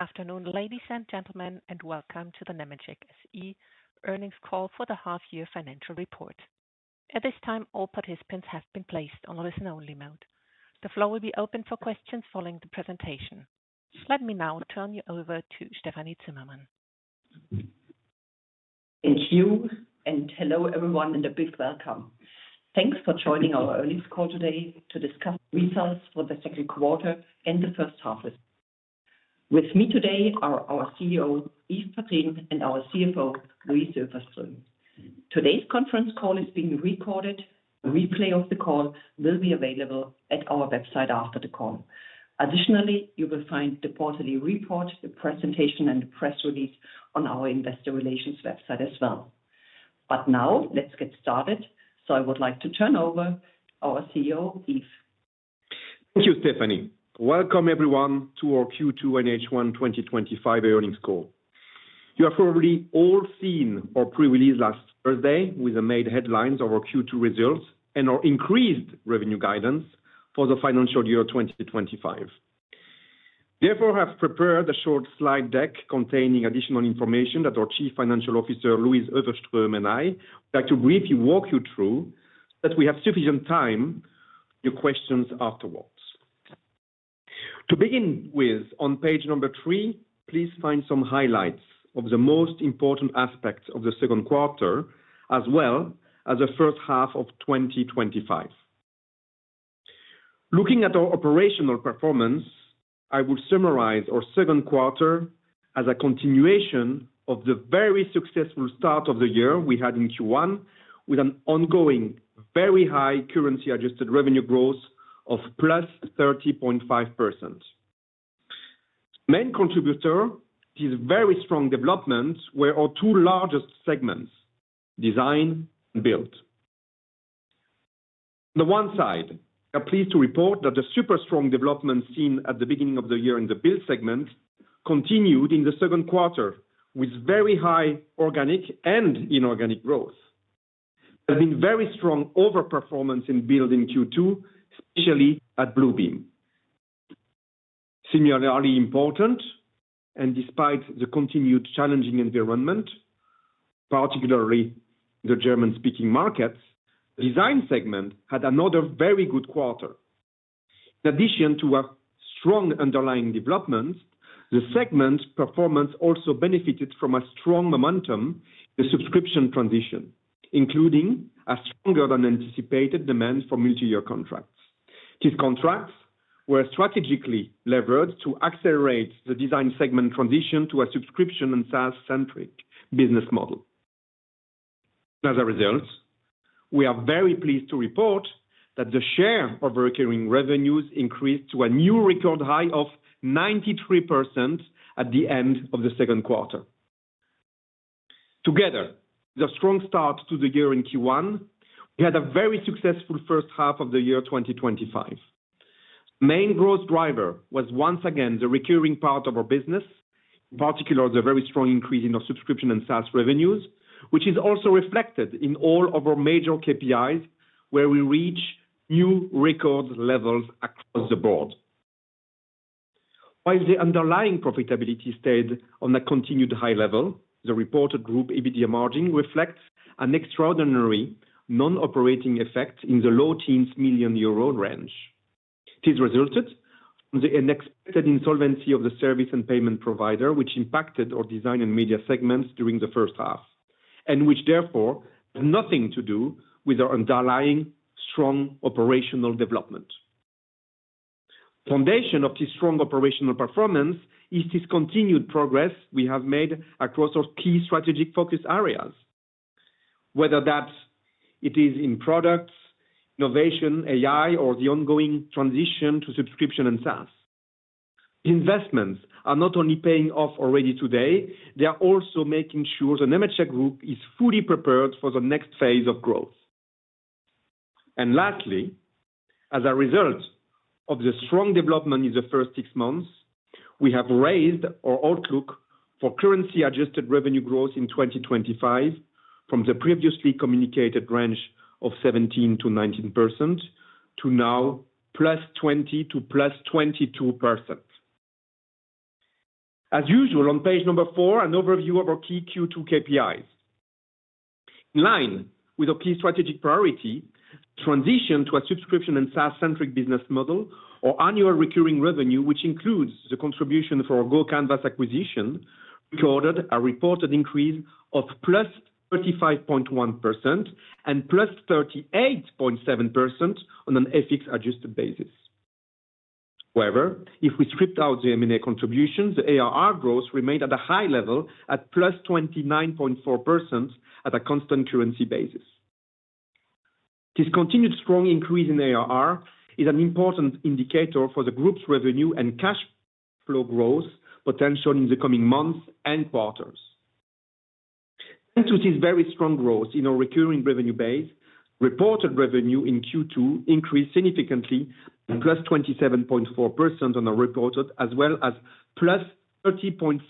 Afternoon, ladies and gentlemen, and welcome to the Nemetschek SE Earnings Call for the Half-year Financial Report. At this time, all participants have been placed on listen-only mode. The floor will be open for questions following the presentation. Let me now turn you over to Stefanie Zimmermann. Thank you, and hello everyone and a big welcome. Thanks for joining our earnings call today to discuss results for the second quarter and the first half of the year. With me today are our CEO, Yves Padrines, and our CFO, Louise Öfverström. Today's conference call is being recorded. A replay of the call will be available at our website after the call. Additionally, you will find the quarterly report, the presentation, and the press release on our Investor Relations website as well. Now, let's get started. I would like to turn over to our CEO, Yves. Thank you, Stefanie. Welcome everyone to our Q2 and H1 2025 earnings call. You have probably all seen our pre-release last Thursday with the main headlines of our Q2 results and our increased revenue guidance for the financial year 2025. Therefore, I have prepared a short slide deck containing additional information that our Chief Financial Officer, Louise Öfverström, and I would like to briefly walk you through so that we have sufficient time for your questions afterwards. To begin with, on page number three, please find some highlights of the most important aspects of the second quarter as well as the first half of 2025. Looking at our operational performance, I would summarize our second quarter as a continuation of the very successful start of the year we had in Q1, with an ongoing very high currency-adjusted revenue growth of +30.5%. Main contributor is very strong development, where our two largest segments, design and build. On the one side, we are pleased to report that the super strong development seen at the beginning of the year in the build segment continued in the second quarter with very high organic and inorganic growth. There has been very strong overperformance in build in Q2, especially at Bluebeam. Similarly important, and despite the continued challenging environment, particularly in the German-speaking markets, the design segment had another very good quarter. In addition to a strong underlying development, the segment performance also benefited from a strong momentum in the subscription transition, including a stronger-than-anticipated demand for multi-year contracts. These contracts were strategically leveraged to accelerate the design segment transition to a subscription and SaaS-centric business model. As a result, we are very pleased to report that the share of recurring revenues increased to a new record high of 93% at the end of the second quarter. Together with a strong start to the year in Q1, we had a very successful first half of the year 2025. The main growth driver was once again the recurring part of our business. In particular, the very strong increase in our subscription and SaaS revenues, which is also reflected in all of our major KPIs, where we reach new record levels across the board. While the underlying profitability stayed on a continued high level, the reported group EBITDA margin reflects an extraordinary non-operating effect in the low teens million euro range. This resulted from the unexpected insolvency of the service and payment provider, which impacted our Design and Media segments during the first half, and which therefore has nothing to do with our underlying strong operational development. The foundation of this strong operational performance is this continued progress we have made across our key strategic focus areas. Whether that is in products, innovation, AI, or the ongoing transition to subscription and SaaS. Investments are not only paying off already today, they are also making sure the Nemetschek Group is fully prepared for the next phase of growth. Lastly, as a result of the strong development in the first six months, we have raised our outlook for currency-adjusted revenue growth in 2025 from the previously communicated range of 17%-19% to now +20% to +22%. As usual, on page number four, an overview of our key Q2 KPIs. In line with our key strategic priority, the transition to a subscription and SaaS-centric business model, our annual recurring revenue, which includes the contribution from our GoCanvas acquisition, recorded a reported increase of +35.1% and +38.7% on an FX-adjusted basis. However, if we stripped out the M&A contribution, the ARR growth remained at a high level at +29.4% at a constant currency basis. This continued strong increase in ARR is an important indicator for the group's revenue and cash flow growth potential in the coming months and quarters. Thanks to this very strong growth in our recurring revenue base, reported revenue in Q2 increased significantly by +27.4% on a reported, as well as +30.5%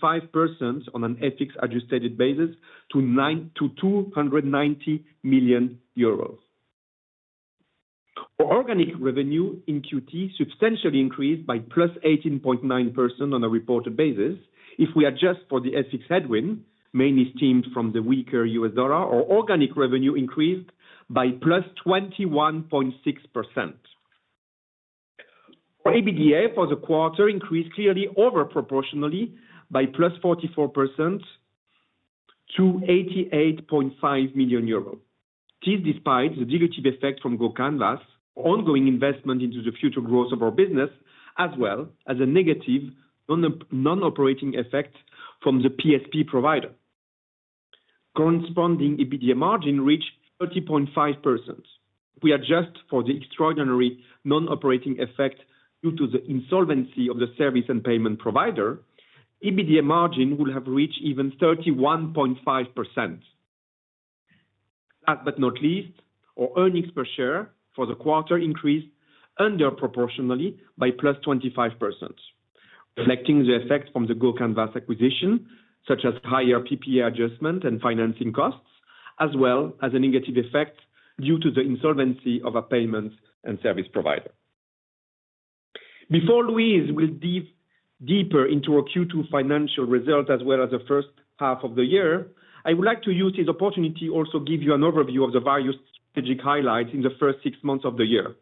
on an FX-adjusted basis to EUR 290 million. Our organic revenue in Q2 substantially increased by +18.9% on a reported basis. If we adjust for the FX headwind, mainly stemming from the weaker U.S. dollar, our organic revenue increased by +21.6%. Our EBITDA for the quarter increased clearly overproportionally by +44% to 88.5 million euros. This is despite the dilutive effect from GoCanvas, ongoing investment into the future growth of our business, as well as a negative non-operating effect from the PSP provider. Corresponding EBITDA margin reached 30.5%. If we adjust for the extraordinary non-operating effect due to the insolvency of the service and payment provider, EBITDA margin would have reached even 31.5%. Last but not least, our earnings per share for the quarter increased underproportionally by +25%. Reflecting the effect from the GoCanvas acquisition, such as higher PPA adjustment and financing costs, as well as a negative effect due to the insolvency of our payment and service provider. Before Louise will dive deeper into our Q2 financial results as well as the first half of the year, I would like to use this opportunity to also give you an overview of the various strategic highlights in the first six months of the year,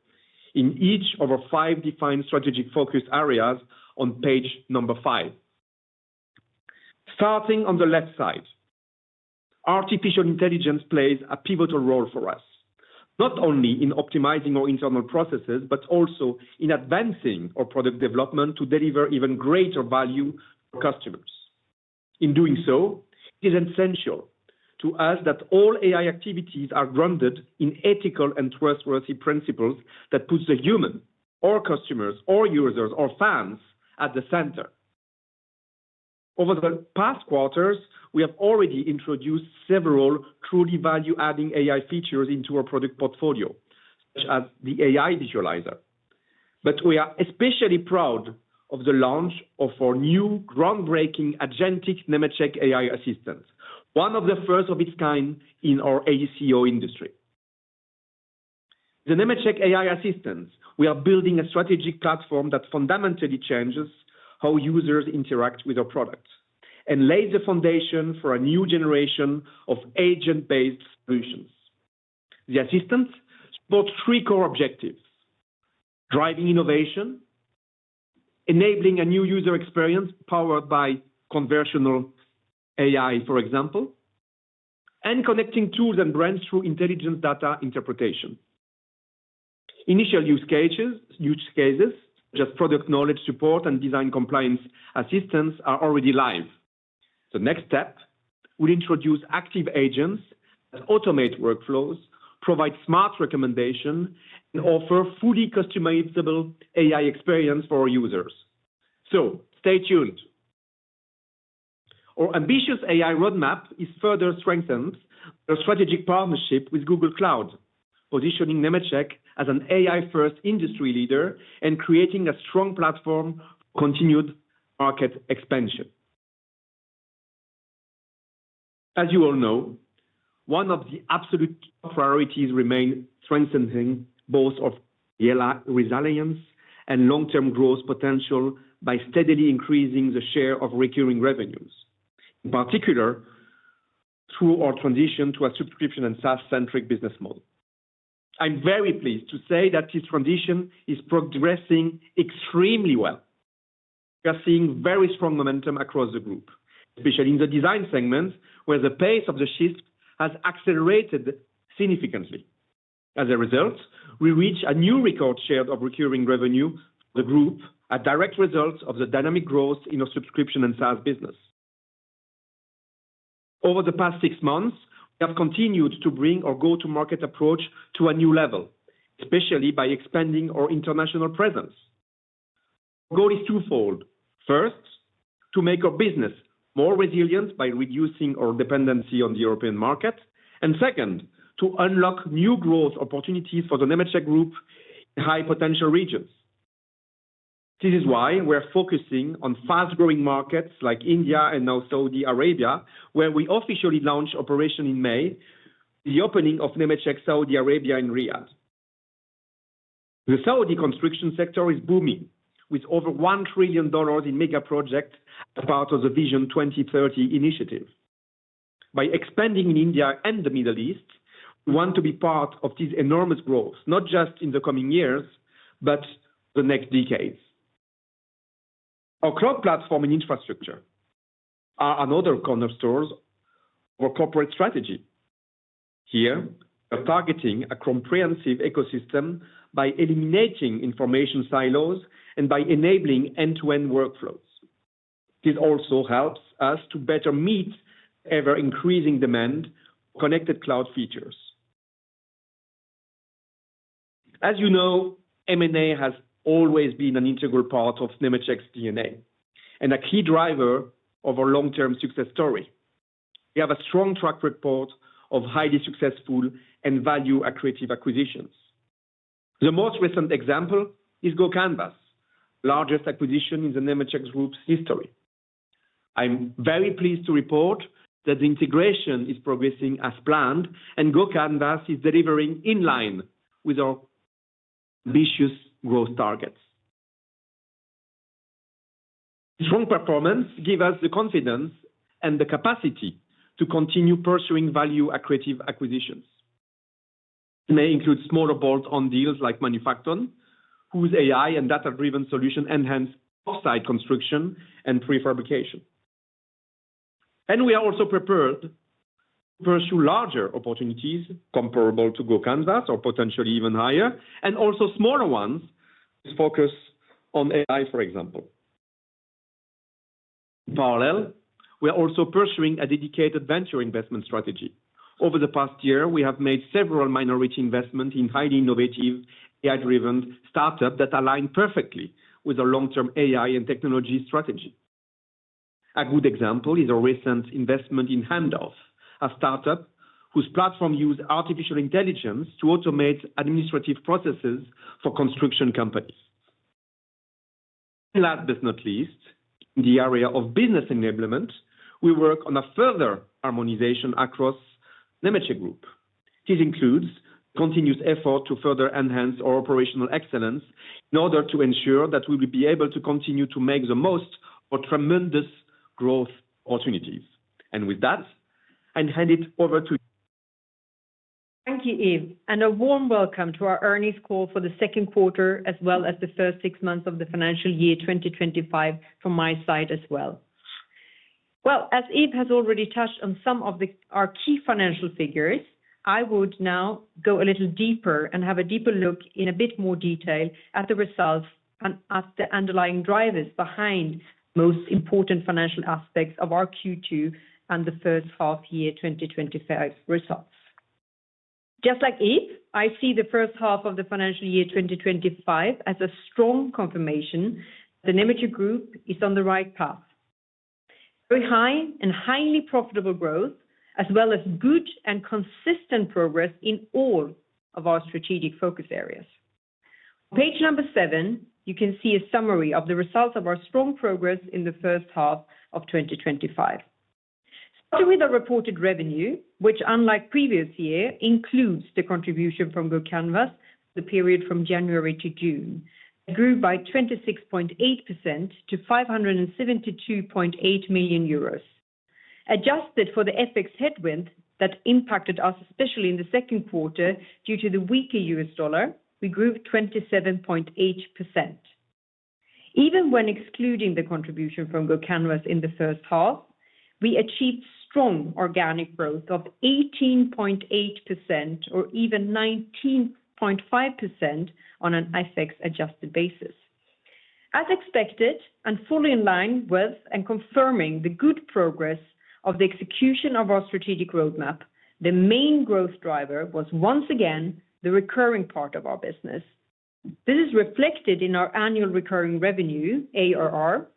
in each of our five defined strategic focus areas on page number five. Starting on the left side, artificial intelligence plays a pivotal role for us, not only in optimizing our internal processes, but also in advancing our product development to deliver even greater value for customers. In doing so, it is essential to us that all AI activities are grounded in ethical and trustworthy principles that put the human, our customers, our users, our fans at the center. Over the past quarters, we have already introduced several truly value-adding AI features into our product portfolio, such as the AI visualizer. We are especially proud of the launch of our new groundbreaking agentic Nemetschek AI Assistant, one of the first of its kind in our AEC industry. With the Nemetschek AI Assistant, we are building a strategic platform that fundamentally changes how users interact with our products and lays the foundation for a new generation of agent-based solutions. The assistant supports three core objectives: driving innovation, enabling a new user experience powered by conversational AI, for example, and connecting tools and brands through intelligent data interpretation. Initial use cases, such as product knowledge support and design compliance assistants, are already live. The next step will introduce active agents that automate workflows, provide smart recommendations, and offer fully customizable AI experiences for our users. Our ambitious AI roadmap is further strengthened by our strategic partnership with Google Cloud, positioning Nemetschek as an AI-first industry leader and creating a strong platform for continued market expansion. As you all know, one of the absolute top priorities remains strengthening both our resilience and long-term growth potential by steadily increasing the share of recurring revenues, in particular through our transition to a subscription and SaaS-centric business model. I'm very pleased to say that this transition is progressing extremely well. We are seeing very strong momentum across the group, especially in the Design segment, where the pace of the shift has accelerated significantly. As a result, we reach a new record share of recurring revenue for the group, a direct result of the dynamic growth in our subscription and SaaS business. Over the past six months, we have continued to bring our go-to-market approach to a new level, especially by expanding our international presence. Our goal is twofold. First, to make our business more resilient by reducing our dependency on the European market, and second, to unlock new growth opportunities for the Nemetschek Group in high-potential regions. This is why we're focusing on fast-growing markets like India and now Saudi Arabia, where we officially launched operations in May with the opening of Nemetschek Saudi Arabia in Riyadh. The Saudi construction sector is booming, with over $1 trillion in mega projects as part of the Vision 2030 initiative. By expanding in India and the Middle East, we want to be part of this enormous growth, not just in the coming years, but the next decades. Our cloud platform and infrastructure are another cornerstone of our corporate strategy. Here, we are targeting a comprehensive ecosystem by eliminating information silos and by enabling end-to-end workflows. This also helps us to better meet ever-increasing demand for connected cloud features. As you know, M&A has always been an integral part of Nemetschek's DNA and a key driver of our long-term success story. We have a strong track record of highly successful and value-accretive acquisitions. The most recent example is GoCanvas, the largest acquisition in the Nemetschek Group's history. I'm very pleased to report that the integration is progressing as planned, and GoCanvas is delivering in line with our ambitious growth targets. This strong performance gives us the confidence and the capacity to continue pursuing value-accretive acquisitions. This may include smaller bolt-on deals like Manufacton, whose AI and data-driven solution enhance offsite construction and prefabrication. We are also prepared to pursue larger opportunities comparable to GoCanvas or potentially even higher, and also smaller ones with focus on AI, for example. In parallel, we are also pursuing a dedicated venture investment strategy. Over the past year, we have made several minority investments in highly innovative, AI-driven startups that align perfectly with our long-term AI and technology strategy. A good example is our recent investment in Hamdorf, a startup whose platform uses artificial intelligence to automate administrative processes for construction companies. Last but not least, in the area of business enablement, we work on a further harmonization across the Nemetschek Group. This includes continuous efforts to further enhance our operational excellence in order to ensure that we will be able to continue to make the most of tremendous growth opportunities. With that, I hand it over to. Thank you, Yves. A warm welcome to our earnings call for the second quarter, as well as the first six months of the financial year 2025 from my side as well. As Yves has already touched on some of our key financial figures, I would now go a little deeper and have a deeper look in a bit more detail at the results and at the underlying drivers behind the most important financial aspects of our Q2 and the first half year 2025 results. Just like Yves, I see the first half of the financial year 2025 as a strong confirmation that the Nemetschek Group is on the right path. Very high and highly profitable growth, as well as good and consistent progress in all of our strategic focus areas. On page number seven, you can see a summary of the results of our strong progress in the first half of 2025. Starting with our reported revenue, which, unlike the previous year, includes the contribution from GoCanvas for the period from January to June, it grew by 26.8% to 572.8 million euros. Adjusted for the FX headwind that impacted us, especially in the second quarter due to the weaker U.S. dollar, we grew 27.8%. Even when excluding the contribution from GoCanvas in the first half, we achieved strong organic growth of 18.8% or even 19.5% on an FX-adjusted basis. As expected and fully in line with and confirming the good progress of the execution of our strategic roadmap, the main growth driver was once again the recurring part of our business. This is reflected in our annual recurring revenue, ARR,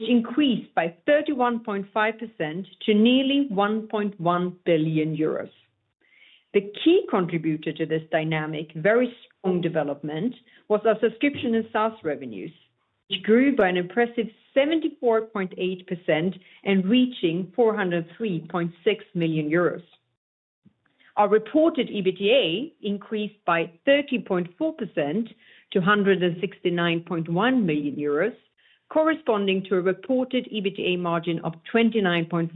which increased by 31.5% to nearly 1.1 billion euros. The key contributor to this dynamic, very strong development, was our subscription and SaaS revenues, which grew by an impressive 74.8% and reaching 403.6 million euros. Our reported EBITDA increased by 30.4% to 169.1 million euros, corresponding to a reported EBITDA margin of 29.5%.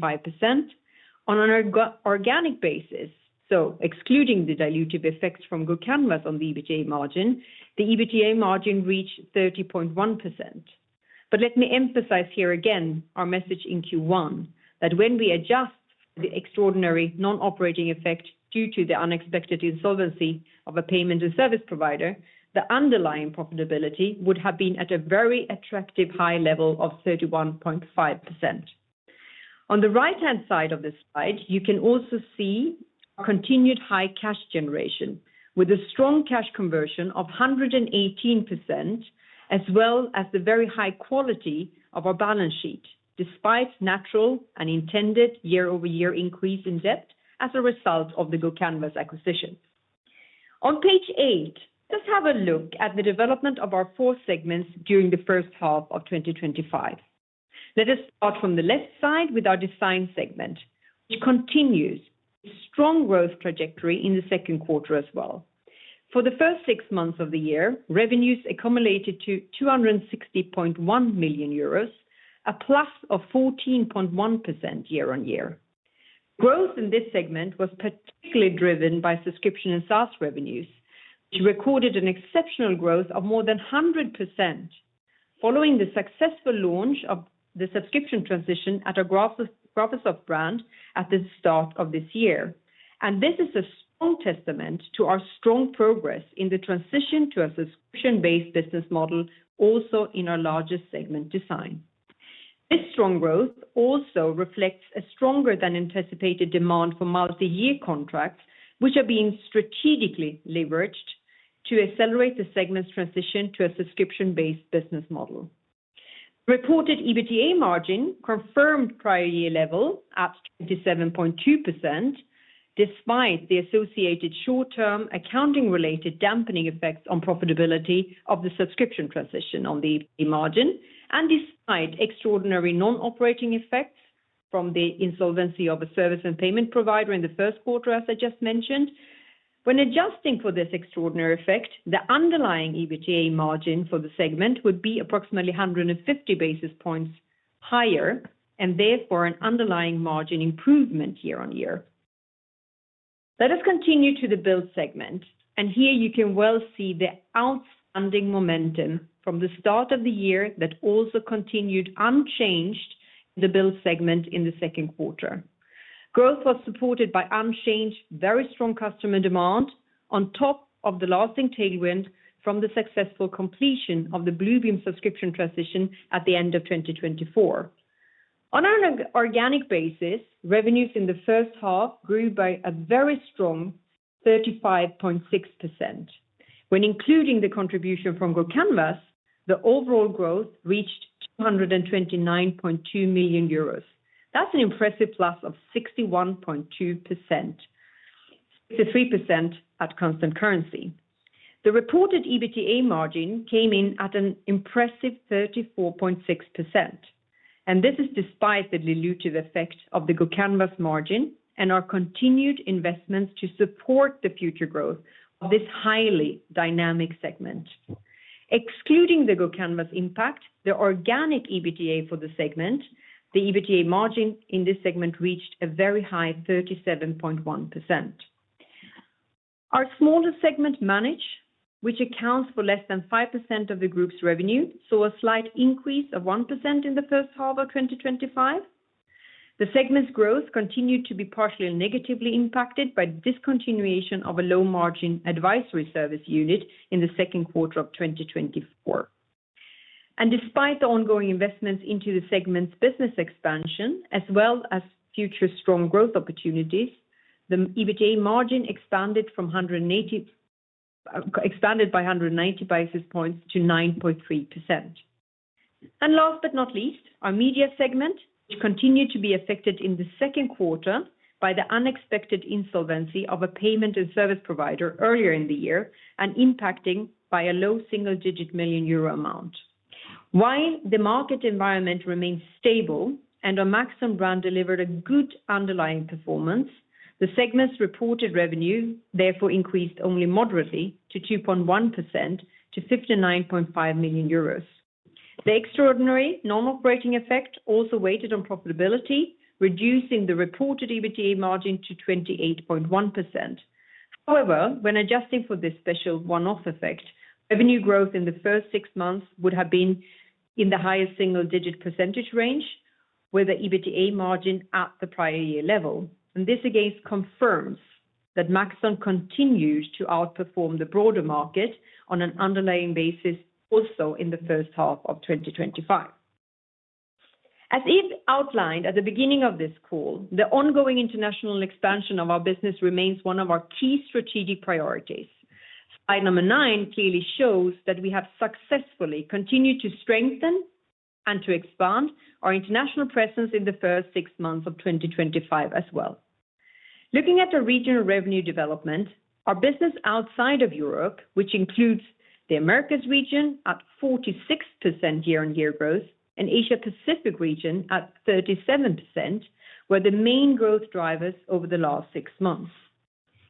On an organic basis, so excluding the dilutive effects from GoCanvas on the EBITDA margin, the EBITDA margin reached 30.1%. Let me emphasize here again our message in Q1, that when we adjust for the extraordinary non-operating effect due to the unexpected insolvency of a payment and service provider, the underlying profitability would have been at a very attractive high level of 31.5%. On the right-hand side of the slide, you can also see our continued high cash generation, with a strong cash conversion of 118%, as well as the very high quality of our balance sheet, despite natural and intended year-over-year increase in debt as a result of the GoCanvas acquisition. On page eight, let's have a look at the development of our four segments during the first half of 2025. Let us start from the left side with our Design segment, which continues its strong growth trajectory in the second quarter as well. For the first six months of the year, revenues accumulated to 260.1 million euros, a plus of 14.1% year-on-year. Growth in this segment was particularly driven by subscription and SaaS revenues, which recorded an exceptional growth of more than 100%, following the successful launch of the subscription transition at our Graphisoft brand at the start of this year. This is a strong testament to our strong progress in the transition to a subscription-based business model, also in our largest segment, Design. This strong growth also reflects a stronger-than-anticipated demand for multi-year contracts, which are being strategically leveraged to accelerate the segment's transition to a subscription-based business model. The reported EBITDA margin confirmed prior-year level at 27.2%. Despite the associated short-term accounting-related dampening effects on profitability of the subscription transition on the EBITDA margin, and despite extraordinary non-operating effects from the insolvency of a service and payment provider in the first quarter, as I just mentioned, when adjusting for this extraordinary effect, the underlying EBITDA margin for the segment would be approximately 150 basis points higher, and therefore an underlying margin improvement year-on-year. Let us continue to the Build segment. Here, you can well see the outstanding momentum from the start of the year that also continued unchanged in the Build segment in the second quarter. Growth was supported by unchanged, very strong customer demand on top of the lasting tailwind from the successful completion of the Bluebeam subscription transition at the end of 2024. On an organic basis, revenues in the first half grew by a very strong 35.6%. When including the contribution from GoCanvas, the overall growth reached 229.2 million euros. That's an impressive plus of 61.2%, 63% at constant currency. The reported EBITDA margin came in at an impressive 34.6%. This is despite the dilutive effect of the GoCanvas margin and our continued investments to support the future growth of this highly dynamic segment. Excluding the GoCanvas impact, the organic EBITDA for the segment, the EBITDA margin in this segment reached a very high 37.1%. Our smaller segment, Manage, which accounts for less than 5% of the group's revenue, saw a slight increase of 1% in the first half of 2025. The segment's growth continued to be partially negatively impacted by the discontinuation of a low-margin advisory service unit in the second quarter of 2024. Despite the ongoing investments into the segment's business expansion, as well as future strong growth opportunities, the EBITDA margin expanded by 190 basis points to 9.3%. Last but not least, our Media segment, which continued to be affected in the second quarter by the unexpected insolvency of a payment and service provider earlier in the year and impacting by a low single-digit million euro amount. While the market environment remained stable and our Maxon brand delivered a good underlying performance, the segment's reported revenue therefore increased only moderately by 2.1% to 59.5 million euros. The extraordinary non-operating effect also weighed on profitability, reducing the reported EBITDA margin to 28.1%. However, when adjusting for this special one-off effect, revenue growth in the first six months would have been in the highest single-digit percentage range with the EBITDA margin at the prior-year level. This again confirms that Maxon continues to outperform the broader market on an underlying basis also in the first half of 2025. As Yves outlined at the beginning of this call, the ongoing international expansion of our business remains one of our key strategic priorities. Slide number nine clearly shows that we have successfully continued to strengthen and to expand our international presence in the first six months of 2025 as well. Looking at our regional revenue development, our business outside of Europe, which includes the Americas region at 46% year-on-year growth, and the Asia-Pacific region at 37%, were the main growth drivers over the last six months.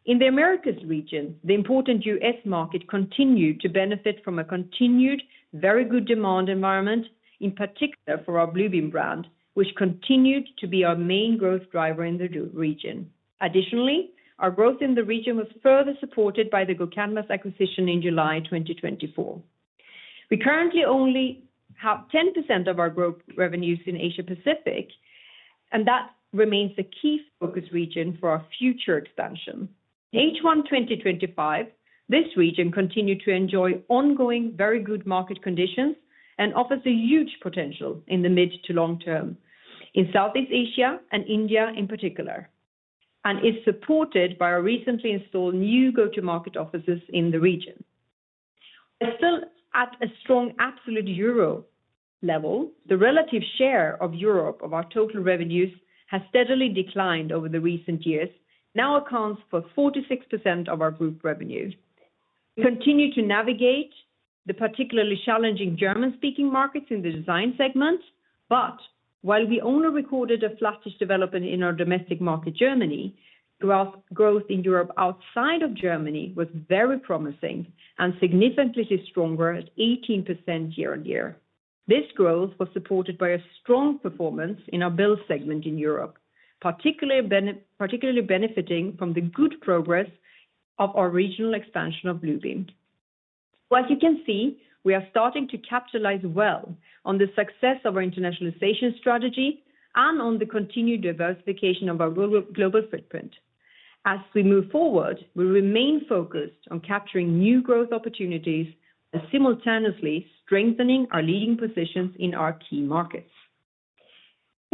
In the Americas region, the important U.S. market continued to benefit from a continued very good demand environment, in particular for our Bluebeam brand, which continued to be our main growth driver in the region. Additionally, our growth in the region was further supported by the GoCanvas acquisition in July 2024. We currently only have 10% of our group revenues in Asia-Pacific, and that remains the key focus region for our future expansion. In H1 2025, this region continued to enjoy ongoing very good market conditions and offers a huge potential in the mid to long term in Southeast Asia and India in particular, and is supported by our recently installed new go-to-market offices in the region. While still at a strong absolute euro level, the relative share of Europe of our total revenues has steadily declined over the recent years and now accounts for 46% of our group revenue. We continue to navigate the particularly challenging German-speaking markets in the design segment, but while we only recorded a flattish development in our domestic market, Germany, growth in Europe outside of Germany was very promising and significantly stronger at 18% year-on-year. This growth was supported by a strong performance in our build segment in Europe, particularly benefiting from the good progress of our regional expansion of Bluebeam. As you can see, we are starting to capitalize well on the success of our internationalization strategy and on the continued diversification of our global footprint. As we move forward, we remain focused on capturing new growth opportunities and simultaneously strengthening our leading positions in our key markets.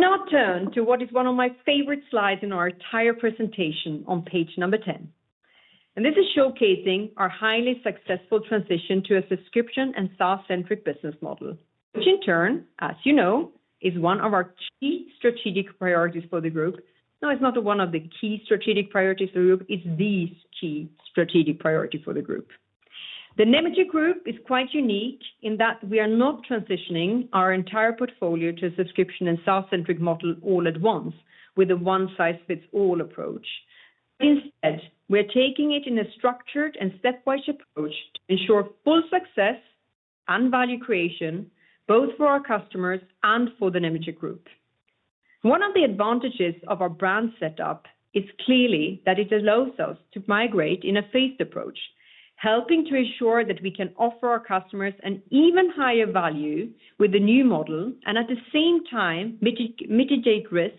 Now turn to what is one of my favorite slides in our entire presentation on page number 10. This is showcasing our highly successful transition to a subscription and SaaS-centric business model, which in turn, as you know, is one of our key strategic priorities for the group. No, it's not one of the key strategic priorities for the group; it's the key strategic priority for the group. The Nemetschek Group is quite unique in that we are not transitioning our entire portfolio to a subscription and SaaS-centric model all at once with a one-size-fits-all approach. Instead, we are taking it in a structured and stepwise approach to ensure full success and value creation, both for our customers and for the Nemetschek Group. One of the advantages of our brand setup is clearly that it allows us to migrate in a phased approach, helping to ensure that we can offer our customers an even higher value with the new model and at the same time mitigate risks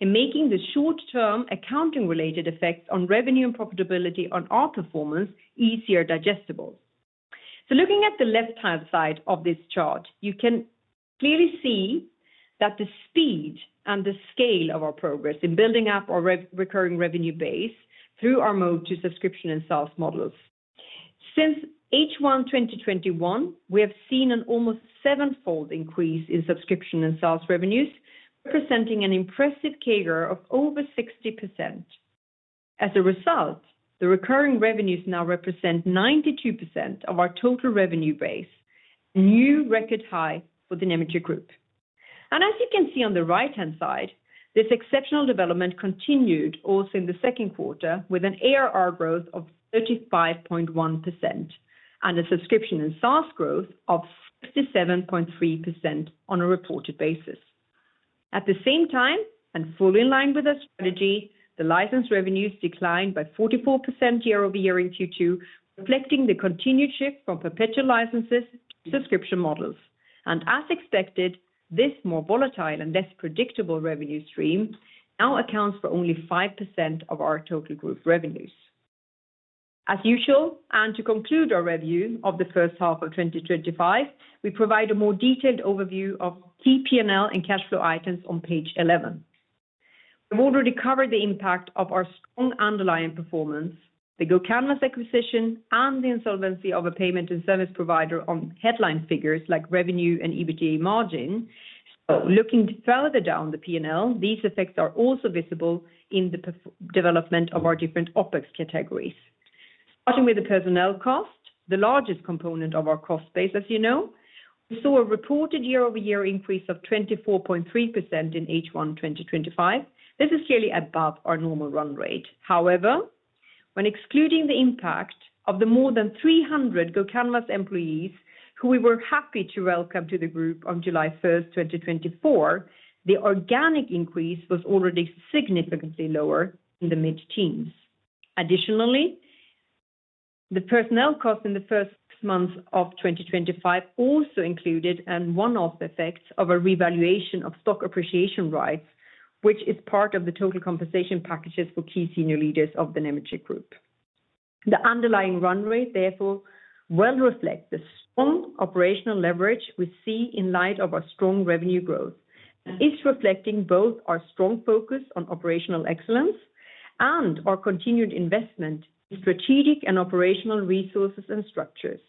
in making the short-term accounting-related effects on revenue and profitability on our performance easier digestible. Looking at the left-hand side of this chart, you can clearly see that the speed and the scale of our progress in building up our recurring revenue base through our move to subscription and SaaS models. Since H1 2021, we have seen an almost seven-fold increase in subscription and SaaS revenues, representing an impressive CAGR of over 60%. As a result, the recurring revenues now represent 92% of our total revenue base, a new record high for the Nemetschek Group. As you can see on the right-hand side, this exceptional development continued also in the second quarter with an ARR growth of 35.1% and a subscription and SaaS growth of 67.3% on a reported basis. At the same time, and fully in line with our strategy, the license revenues declined by 44% year-over-year in Q2, reflecting the continued shift from perpetual licenses to subscription models. As expected, this more volatile and less predictable revenue stream now accounts for only 5% of our total group revenues. As usual, and to conclude our review of the first half of 2025, we provide a more detailed overview of key P&L and cash flow items on page 11. We've already covered the impact of our strong underlying performance, the GoCanvas acquisition, and the insolvency of a payment and service provider on headline figures like revenue and EBITDA margin. Looking further down the P&L, these effects are also visible in the development of our different OpEx categories. Starting with the personnel cost, the largest component of our cost base, as you know, we saw a reported year-over-year increase of 24.3% in H1 2025. This is clearly above our normal run rate. However, when excluding the impact of the more than 300 GoCanvas employees who we were happy to welcome to the group on July 1, 2024, the organic increase was already significantly lower in the mid-teens. Additionally. The personnel cost in the first six months of 2025 also included one-off effects of a revaluation of stock appreciation rights, which is part of the total compensation packages for key senior leaders of the Nemetschek Group. The underlying run rate, therefore, well reflects the strong operational leverage we see in light of our strong revenue growth and is reflecting both our strong focus on operational excellence and our continued investment in strategic and operational resources and structures.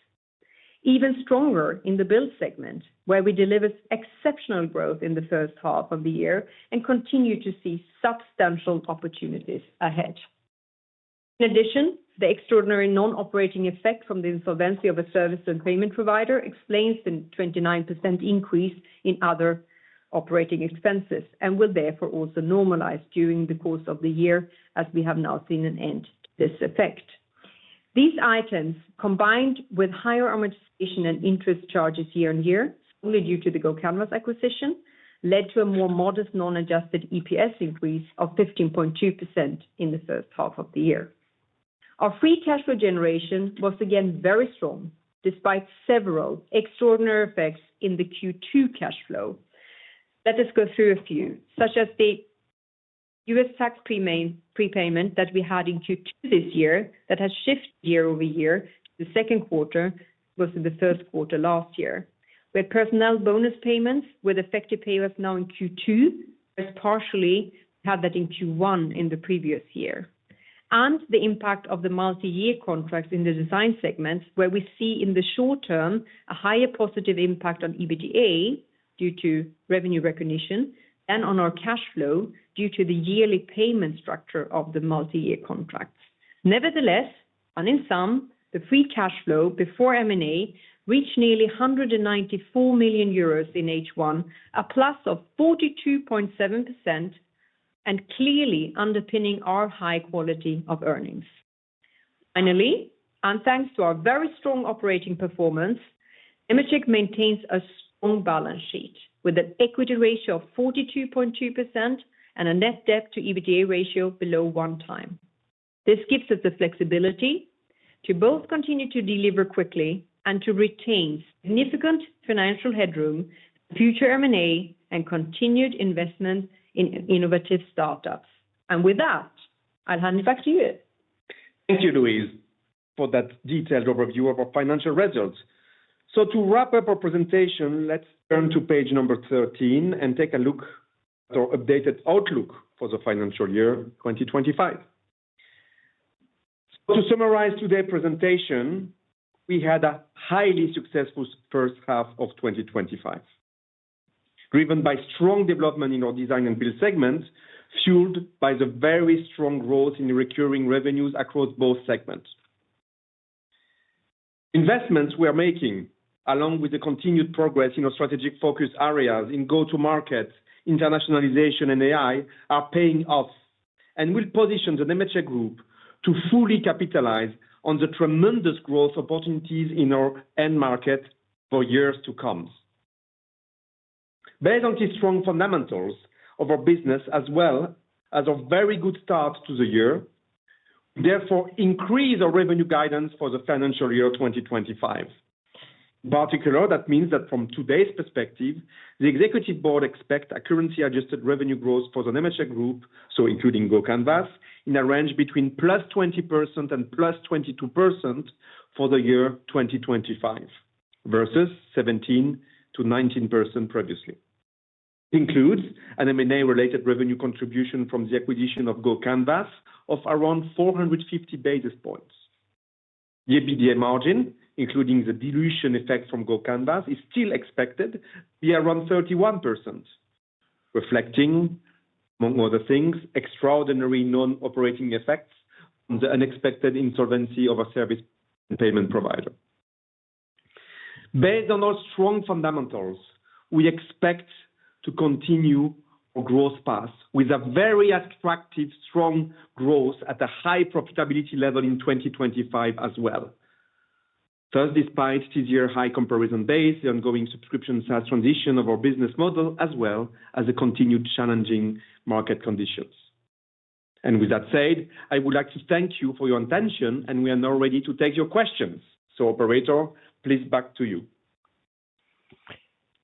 Even stronger in the Build segment, where we delivered exceptional growth in the first half of the year and continue to see substantial opportunities ahead. In addition, the extraordinary non-operating effect from the insolvency of a service and payment provider explains the 29% increase in other operating expenses and will therefore also normalize during the course of the year, as we have now seen an end to this effect. These items, combined with higher amortization and interest charges year-on-year, solely due to the GoCanvas acquisition, led to a more modest non-adjusted EPS increase of 15.2% in the first half of the year. Our free cash flow generation was again very strong despite several extraordinary effects in the Q2 cash flow. Let us go through a few, such as the U.S. tax prepayment that we had in Q2 this year that has shifted year-over-year in the second quarter versus the first quarter last year. We had personnel bonus payments with effective payoff now in Q2, whereas partially we had that in Q1 in the previous year. The impact of the multi-year contracts in the Design segment, where we see in the short term a higher positive impact on EBITDA due to revenue recognition and on our cash flow due to the yearly payment structure of the multi-year contracts. Nevertheless, and in sum, the free cash flow before M&A reached nearly 194 million euros in H1, a plus of 42.7%, and clearly underpinning our high quality of earnings. Finally, and thanks to our very strong operating performance, Nemetschek maintains a strong balance sheet with an equity ratio of 42.2% and a net debt-to-EBITDA ratio below one time. This gives us the flexibility to both continue to deliver quickly and to retain significant financial headroom for future M&A and continued investment in innovative startups. With that, I'll hand it back to you. Thank you, Louise, for that detailed overview of our financial results. To wrap up our presentation, let's turn to page number 13 and take a look at our updated outlook for the financial year 2025. To summarize today's presentation, we had a highly successful first half of 2025, driven by strong development in our Design and Build segments, fueled by the very strong growth in recurring revenues across both segments. Investments we are making, along with the continued progress in our strategic focus areas in go-to-market, internationalization, and AI, are paying off and will position the Nemetschek Group to fully capitalize on the tremendous growth opportunities in our end market for years to come. Based on these strong fundamentals of our business, as well as a very good start to the year, we therefore increase our revenue guidance for the financial year 2025. In particular, that means that from today's perspective, the Executive Board expects a currency-adjusted revenue growth for the Nemetschek Group, including GoCanvas, in a range between +20% and +22% for the year 2025 versus 17%-19% previously. It includes an M&A-related revenue contribution from the acquisition of GoCanvas of around 450 basis points. EBITDA margin, including the dilution effect from GoCanvas, is still expected to be around 31%, reflecting, among other things, extraordinary non-operating effects on the unexpected insolvency of a service and payment provider. Based on our strong fundamentals, we expect to continue our growth path with very attractive strong growth at a high profitability level in 2025 as well, despite this year's high comparison base, the ongoing subscription SaaS transition of our business model, as well as the continued challenging market conditions. With that said, I would like to thank you for your attention, and we are now ready to take your questions. Operator, please back to you.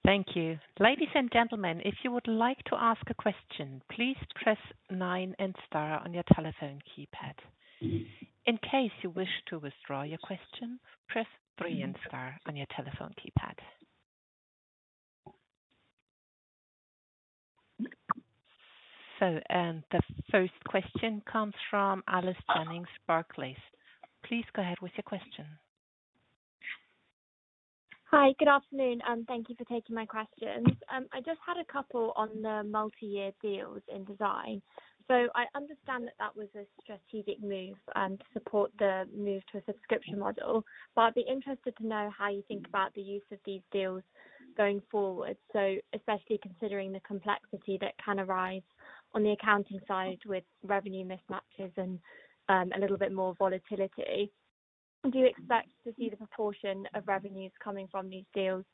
Thank you. Ladies and gentlemen, if you would like to ask a question, please press nine and star on your telephone keypad. In case you wish to withdraw your question, press three and star on your telephone keypad. The first question comes from Alice Jennings, Barclays. Please go ahead with your question. Hi, good afternoon, and thank you for taking my questions. I just had a couple on the multi-year deals in Design. I understand that that was a strategic move to support the move to a subscription model, but I'd be interested to know how you think about the use of these deals going forward, especially considering the complexity that can arise on the accounting side with revenue mismatches and a little bit more volatility. Do you expect to see the proportion of revenues coming from these deals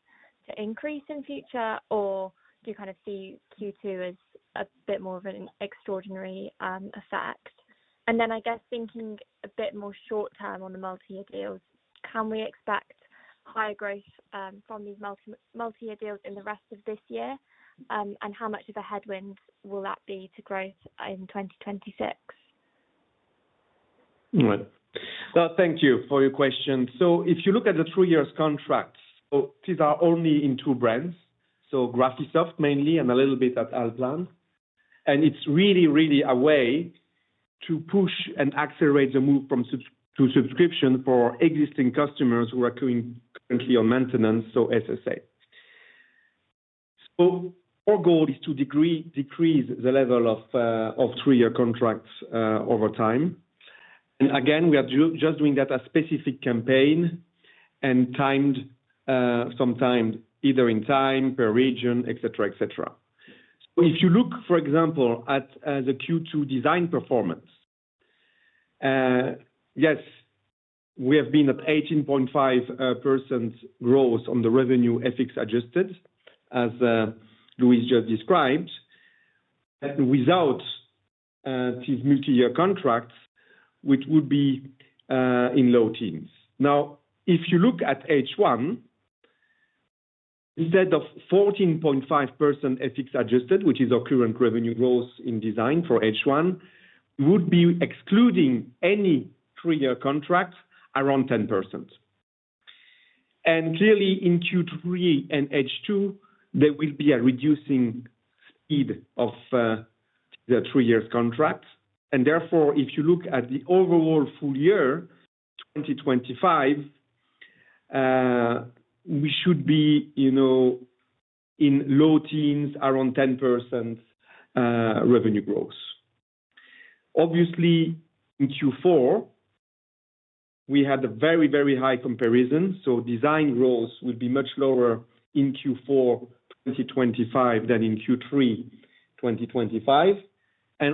to increase in future, or do you kind of see Q2 as a bit more of an extraordinary effect? I guess, thinking a bit more short-term on the multi-year deals, can we expect higher growth from these multi-year deals in the rest of this year? How much of a headwind will that be to growth in 2026? Thank you for your question. If you look at the three-year contracts, these are only in two brands, Graphisoft mainly and a little bit at Allplan. It's really, really a way to push and accelerate the move to subscription for existing customers who are currently on maintenance, so SSA. Our goal is to decrease the level of three-year contracts over time. We are just doing that as a specific campaign, sometimes either in time, per region, etc. If you look, for example, at the Q2 design performance, we have been at 18.5% growth on the revenue FX-adjusted, as Louise just described. Without these multi-year contracts, it would be in low teens. If you look at H1, instead of 14.5% FX-adjusted, which is our current revenue growth in design for H1, we would be excluding any three-year contract around 10%. Clearly, in Q3 and H2, there will be a reducing speed of the three-year contract. Therefore, if you look at the overall full year 2025, we should be in low teens, around 10% revenue growth. Obviously, in Q4, we had a very, very high comparison, so design growth will be much lower in Q4 2025 than in Q3 2025.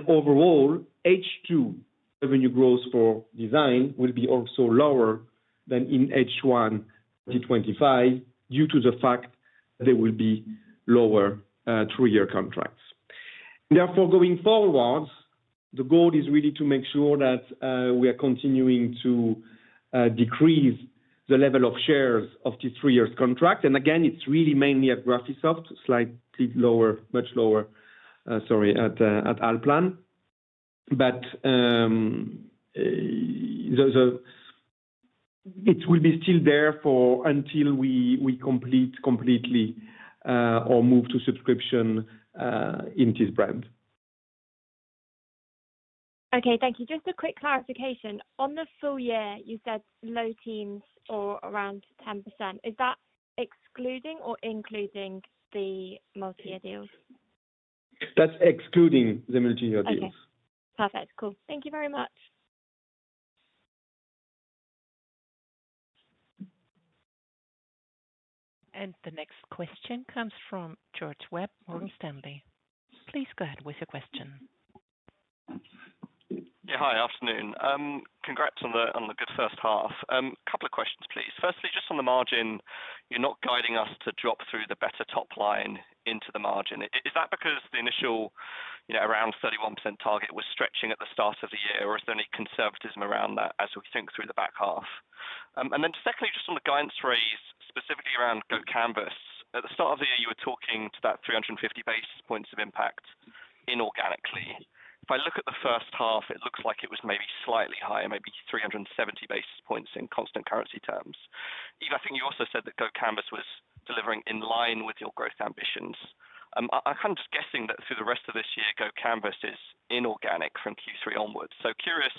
Overall, H2 revenue growth for design will be also lower than in H1 2025 due to the fact that there will be lower three-year contracts. Therefore, going forward, the goal is really to make sure that we are continuing to decrease the level of shares of these three-year contracts. It's really mainly at Graphisoft, much lower at Allplan. It will be still there until we completely move to subscription in this brand. Okay, thank you. Just a quick clarification. On the full year, you said low teens or around 10%. Is that excluding or including the multi-year deals? That's excluding the multi-year deals. Okay. Perfect. Cool. Thank you very much. The next question comes from George Webb from Morgan Stanley. Please go ahead with your question. Yeah, hi. Afternoon. Congrats on the good first half. A couple of questions, please. Firstly, just on the margin, you're not guiding us to drop through the better top line into the margin. Is that because the initial around 31% target was stretching at the start of the year, or is there any conservatism around that as we think through the back half? Secondly, just on the guidance phrase, specifically around GoCanvas, at the start of the year, you were talking to that 350 basis points of impact inorganically. If I look at the first half, it looks like it was maybe slightly higher, maybe 370 basis points in constant currency terms. Yves, I think you also said that GoCanvas was delivering in line with your growth ambitions. I'm kind of just guessing that through the rest of this year, GoCanvas is inorganic from Q3 onwards. Curious,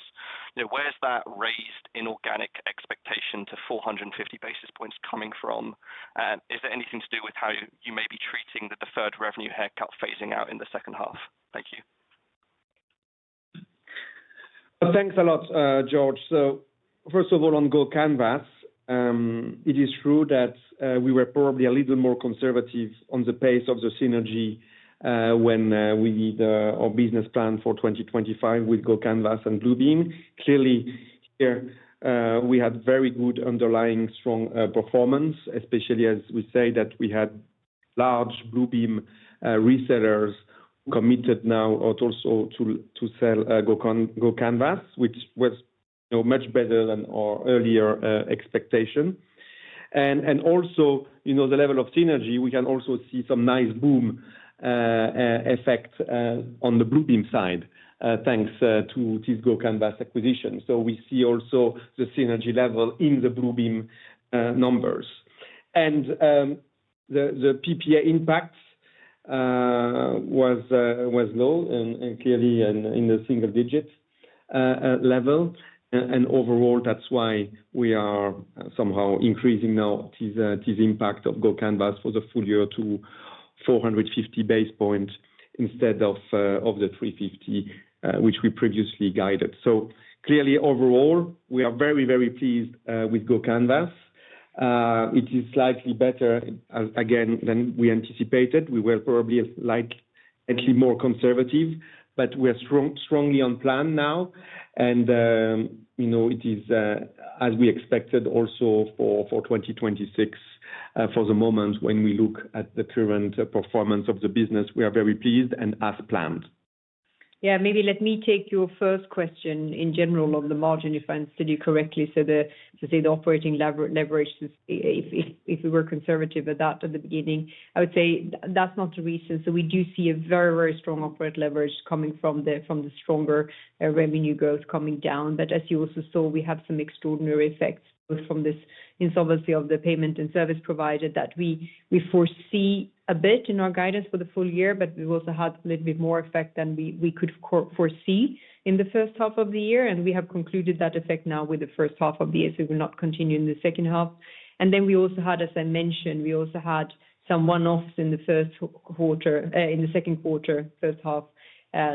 where's that raised inorganic expectation to 450 basis points coming from? Is there anything to do with how you may be treating the deferred revenue haircut phasing out in the second half? Thank you. Thanks a lot, George. First of all, on GoCanvas, it is true that we were probably a little more conservative on the pace of the synergy when we did our business plan for 2025 with GoCanvas and Bluebeam. Clearly, here we had very good underlying strong performance, especially as we say that we had large Bluebeam resellers committed now also to sell GoCanvas, which was much better than our earlier expectation. Also, the level of synergy, we can also see some nice boom effect on the Bluebeam side, thanks to this GoCanvas acquisition. We see also the synergy level in the Bluebeam numbers. The PPA impact was low and clearly in the single-digit level. Overall, that's why we are somehow increasing now this impact of GoCanvas for the full year to 450 basis points instead of the 350, which we previously guided. Clearly, overall, we are very, very pleased with GoCanvas. It is slightly better, again, than we anticipated. We were probably slightly more conservative, but we are strongly on plan now. It is, as we expected, also for 2026. For the moment when we look at the current performance of the business, we are very pleased and as planned. Yeah, maybe let me take your first question in general on the margin, if I understood you correctly. To say the operating leverage, if we were conservative at that at the beginning, I would say that's not the reason. We do see a very, very strong operating leverage coming from the stronger revenue growth coming down. As you also saw, we have some extraordinary effects from this insolvency of the payment and service provider that we foresee a bit in our guidance for the full year, but we also had a little bit more effect than we could foresee in the first half of the year. We have concluded that effect now with the first half of the year, so it will not continue in the second half. We also had, as I mentioned, some one-offs in the second quarter, first half,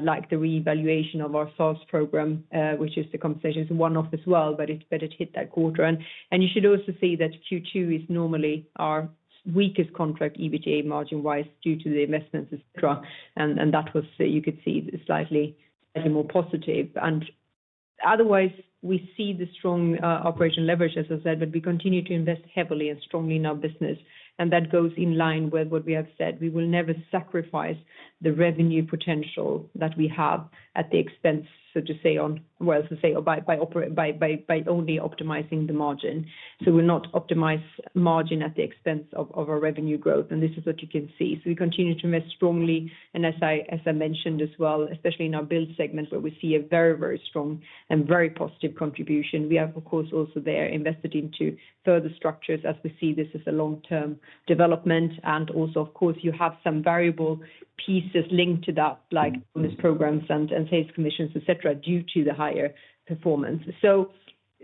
like the reevaluation of our SaaS program, which is the compensation. It's a one-off as well, but it's better to hit that quarter. You should also see that Q2 is normally our weakest contract, EBITDA margin-wise, due to the investments, etc. That was, you could see, slightly more positive. Otherwise, we see the strong operating leverage, as I said, but we continue to invest heavily and strongly in our business. That goes in line with what we have said. We will never sacrifice the revenue potential that we have at the expense, to say, by only optimizing the margin. We will not optimize margin at the expense of our revenue growth, and this is what you can see. We continue to invest strongly, and as I mentioned as well, especially in our Build segment, where we see a very, very strong and very positive contribution. We have, of course, also there invested into further structures as we see this as a long-term development. Of course, you have some variable pieces linked to that, like bonus programs and sales commissions, etc., due to the higher performance.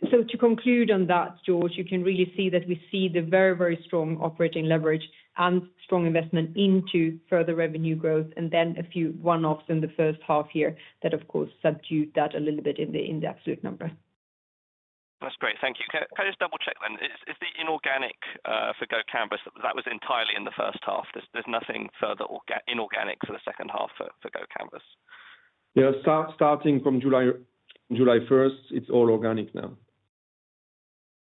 To conclude on that, George, you can really see that we see the very, very strong operating leverage and strong investment into further revenue growth, and then a few one-offs in the first half year that, of course, subdued that a little bit in the absolute number. That's great. Thank you. Can I just double-check then? Is the inorganic for GoCanvas that was entirely in the first half? There's nothing further inorganic for the second half for GoCanvas? Yeah, starting from July 1st, it's all organic now.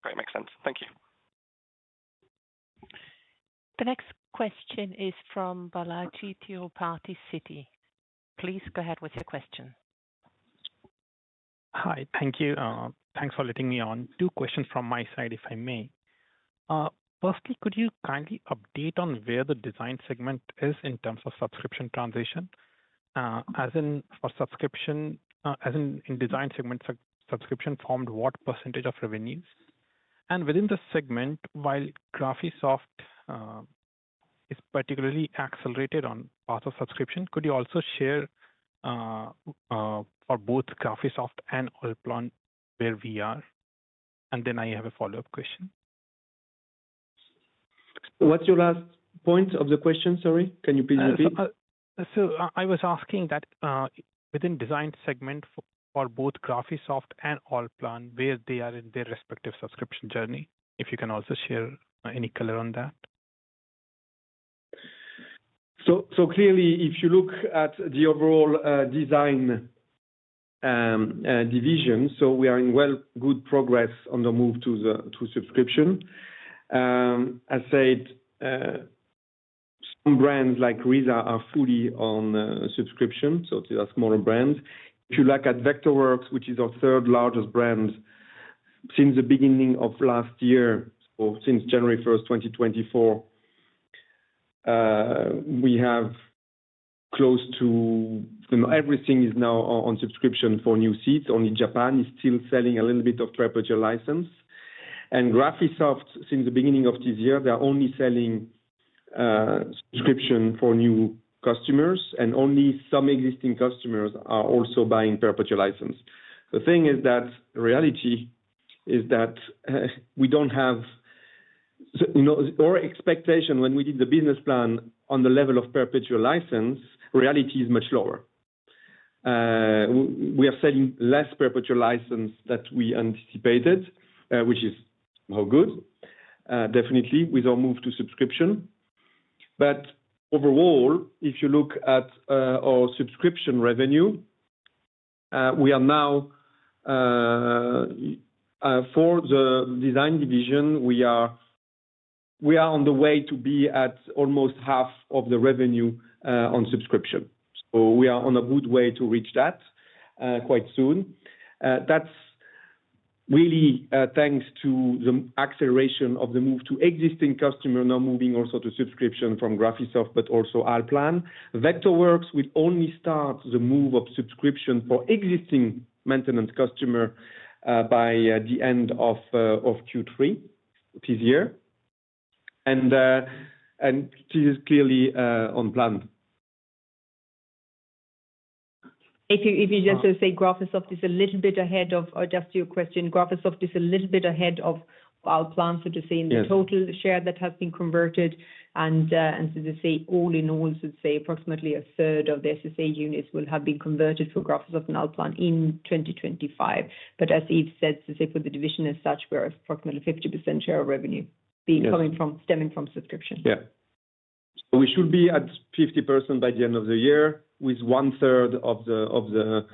Great. Makes sense. Thank you. The next question is from Balajee Tirupati, Citi. Please go ahead with your question. Hi. Thank you. Thanks for letting me on. Two questions from my side, if I may. Firstly, could you kindly update on where the design segment is in terms of subscription transition? As in, in design segment subscription formed what percentage of revenues? Within the segment, while Graphisoft is particularly accelerated on parts of subscription, could you also share for both Graphisoft and Allplan where we are? I have a follow-up question. What's your last point of the question, sorry? Can you please repeat? I was asking that within design segment for both Graphisoft and Allplan, where they are in their respective subscription journey, if you can also share any color on that. Clearly, if you look at the overall design division, we are in well good progress on the move to subscription. As I said, some brands like Riza are fully on subscription, so to ask more brands. If you look at Vectorworks, which is our third largest brand, since the beginning of last year, so since January 1st, 2024, we have close to everything is now on subscription for new seats. Only Japan is still selling a little bit of perpetual license. Graphisoft, since the beginning of this year, they are only selling subscription for new customers, and only some existing customers are also buying perpetual license. The thing is that reality is that we don't have our expectation when we did the business plan on the level of perpetual license, reality is much lower. We are selling less perpetual license than we anticipated, which is more good, definitely with our move to subscription. Overall, if you look at our subscription revenue, we are now, for the design division, we are on the way to be at almost half of the revenue on subscription. We are on a good way to reach that quite soon. That's really thanks to the acceleration of the move to existing customer, now moving also to subscription from Graphisoft, but also Allplan. Vectorworks will only start the move of subscription for existing maintenance customer by the end of Q3 this year. This is clearly on plan. If you just say Graphisoft is a little bit ahead of, or just your question, Graphisoft is a little bit ahead of Allplan, so to say, in the total share that has been converted. All in all, approximately a third of the SSA units will have been converted for Graphisoft and Allplan in 2025. As Yves said, for the division as such, we're approximately 50% share of revenue coming from subscription. We should be at 50% by the end of the year with one-third of the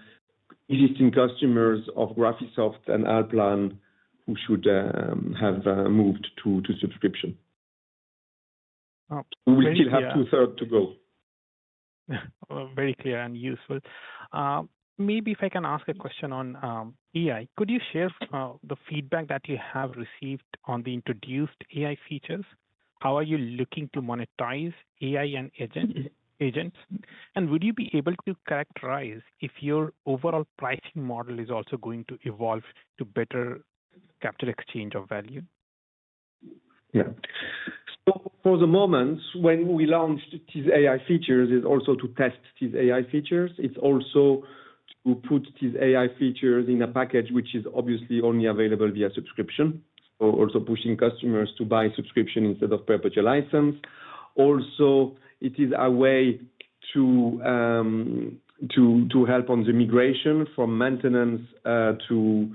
existing customers of Graphisoft and Allplan who should have moved to subscription. We still have two-thirds to go. Very clear and useful. Maybe if I can ask a question on AI, could you share the feedback that you have received on the introduced AI features? How are you looking to monetize AI and agents? Would you be able to characterize if your overall pricing model is also going to evolve to better capture exchange of value? For the moment, when we launched these AI features, it's also to test these AI features. It's also to put these AI features in a package, which is obviously only available via subscription, also pushing customers to buy subscription instead of perpetual license. It is a way to help on the migration from maintenance to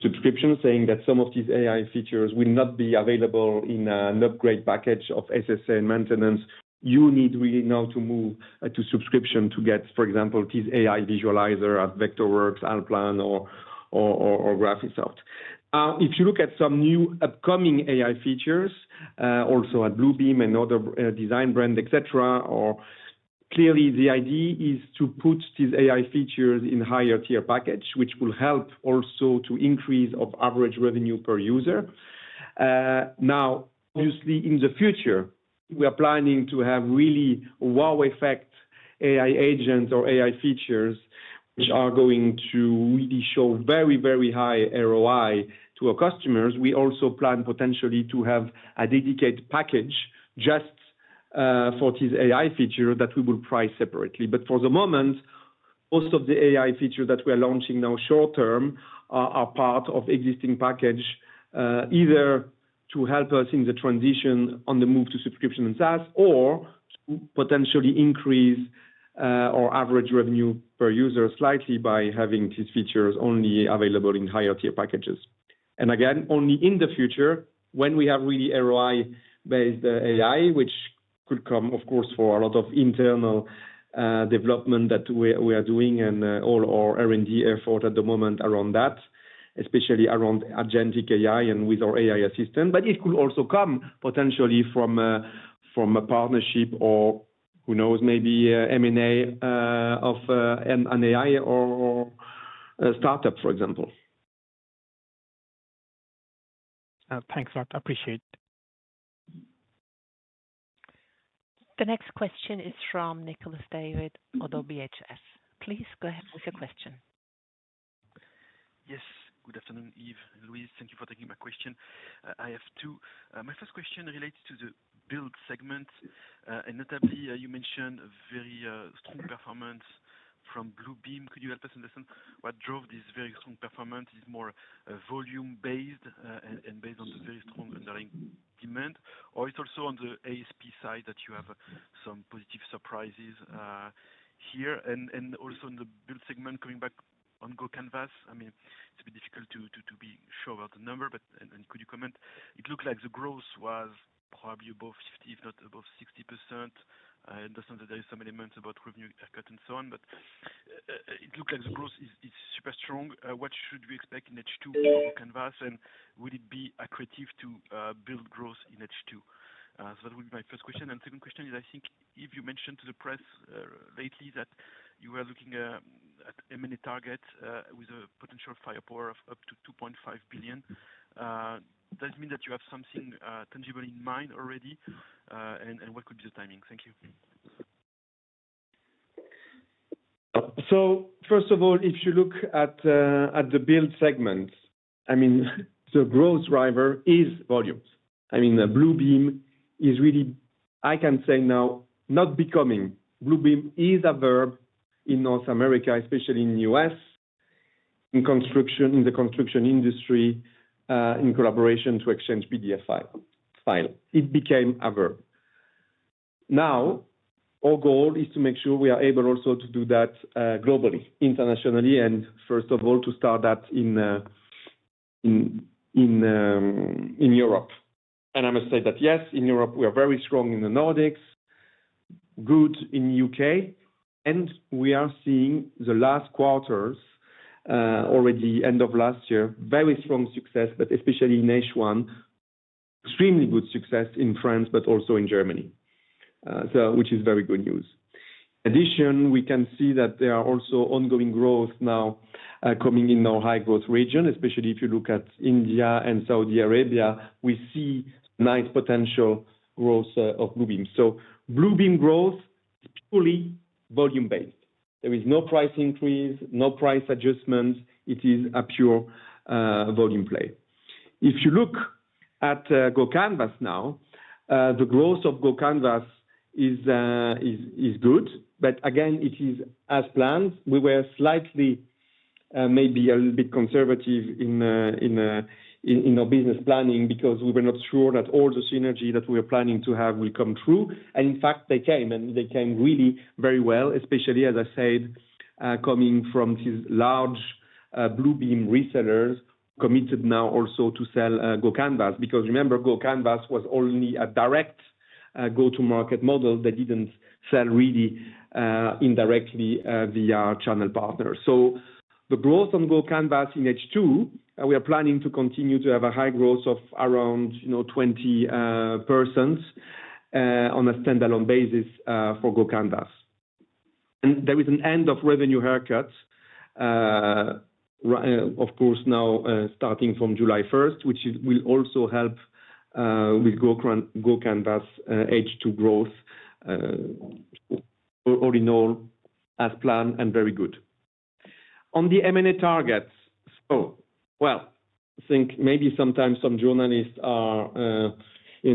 subscription, saying that some of these AI features will not be available in an upgrade package of SSA and maintenance. You need really now to move to subscription to get, for example, this AI visualizer at Vectorworks, Allplan, or Graphisoft. If you look at some new upcoming AI features, also at Bluebeam and other design brands, etc., clearly the idea is to put these AI features in a higher-tier package, which will help also to increase average revenue per user. Obviously, in the future, we are planning to have really wow-effect AI agents or AI features which are going to really show very, very high ROI to our customers. We also plan potentially to have a dedicated package just for these AI features that we will price separately. For the moment, most of the AI features that we are launching now short-term are part of an existing package, either to help us in the transition on the move to subscription and SaaS, or to potentially increase our average revenue per user slightly by having these features only available in higher-tier packages. Again, only in the future when we have really ROI-based AI, which could come, of course, for a lot of internal development that we are doing and all our R&D effort at the moment around that, especially around agentic AI and with our AI Assistant. It could also come potentially from. A partnership or, who knows, maybe M&A of an AI or a startup, for example. Thanks, Yves. Appreciate it. The next question is from Nicolas David, ODDO BHF. Please go ahead with your question. Yes. Good afternoon, Yves. Louise, thank you for taking my question. I have two. My first question relates to the Build segment, and notably, you mentioned a very strong performance from Bluebeam. Could you help us understand what drove this very strong performance? Is it more volume-based and based on the very strong underlying demand, or is it also on the ASP side that you have some positive surprises here? Also, in the Build segment, coming back on GoCanvas, I mean, it's a bit difficult to be sure about the number, but could you comment? It looked like the growth was probably above 50%, if not above 60%. I understand that there are some elements about revenue cut and so on, but it looked like the growth is super strong. What should we expect in H2 for GoCanvas, and would it be accurate to build growth in H2? That would be my first question. The second question is, I think, Yves, you mentioned to the press lately that you were looking at M&A targets with a potential firepower of up to $2.5 billion. Does it mean that you have something tangible in mind already, and what could be the timing? Thank you. First of all, if you look at the Build segment, the growth driver is volumes. Bluebeam is really, I can say now, not becoming. Bluebeam is a verb in North America, especially in the U.S. In the construction industry, in collaboration to exchange PDF files, it became a verb. Our goal is to make sure we are able also to do that globally, internationally, and first of all, to start that in Europe. I must say that, yes, in Europe, we are very strong in the Nordics, good in the U.K., and we are seeing the last quarters, already end of last year, very strong success, but especially in H1. Extremely good success in France, but also in Germany, which is very good news. In addition, we can see that there are also ongoing growth now coming in our high-growth region, especially if you look at India and Saudi Arabia, we see nice potential growth of Bluebeam. Bluebeam growth is purely volume-based. There is no price increase, no price adjustments. It is a pure volume play. If you look at GoCanvas now, the growth of GoCanvas is good. Again, it is as planned. We were slightly, maybe a little bit conservative in. Our business planning because we were not sure that all the synergy that we were planning to have will come true. In fact, they came, and they came really very well, especially, as I said, coming from these large Bluebeam resellers committed now also to sell GoCanvas. Remember, GoCanvas was only a direct go-to-market model. They didn't sell really indirectly via channel partners. The growth on GoCanvas in H2, we are planning to continue to have a high growth of around 20% on a standalone basis for GoCanvas. There is an end of revenue haircut, of course, now starting from July 1st, which will also help with GoCanvas H2 growth. All in all, as planned and very good. On the M&A targets, I think maybe sometimes some journalists are, I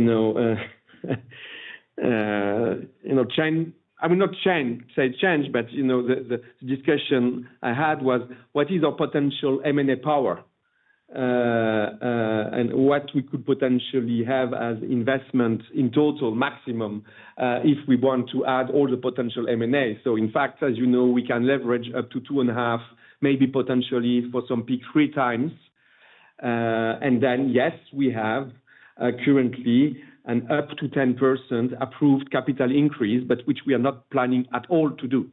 mean, not change, say change, but the discussion I had was, what is our potential M&A power and what we could potentially have as investment in total maximum if we want to add all the potential M&A. In fact, as you know, we can leverage up to 2.5x, maybe potentially for some peak 3x. Yes, we have currently an up to 10% approved capital increase, but which we are not planning at all to do.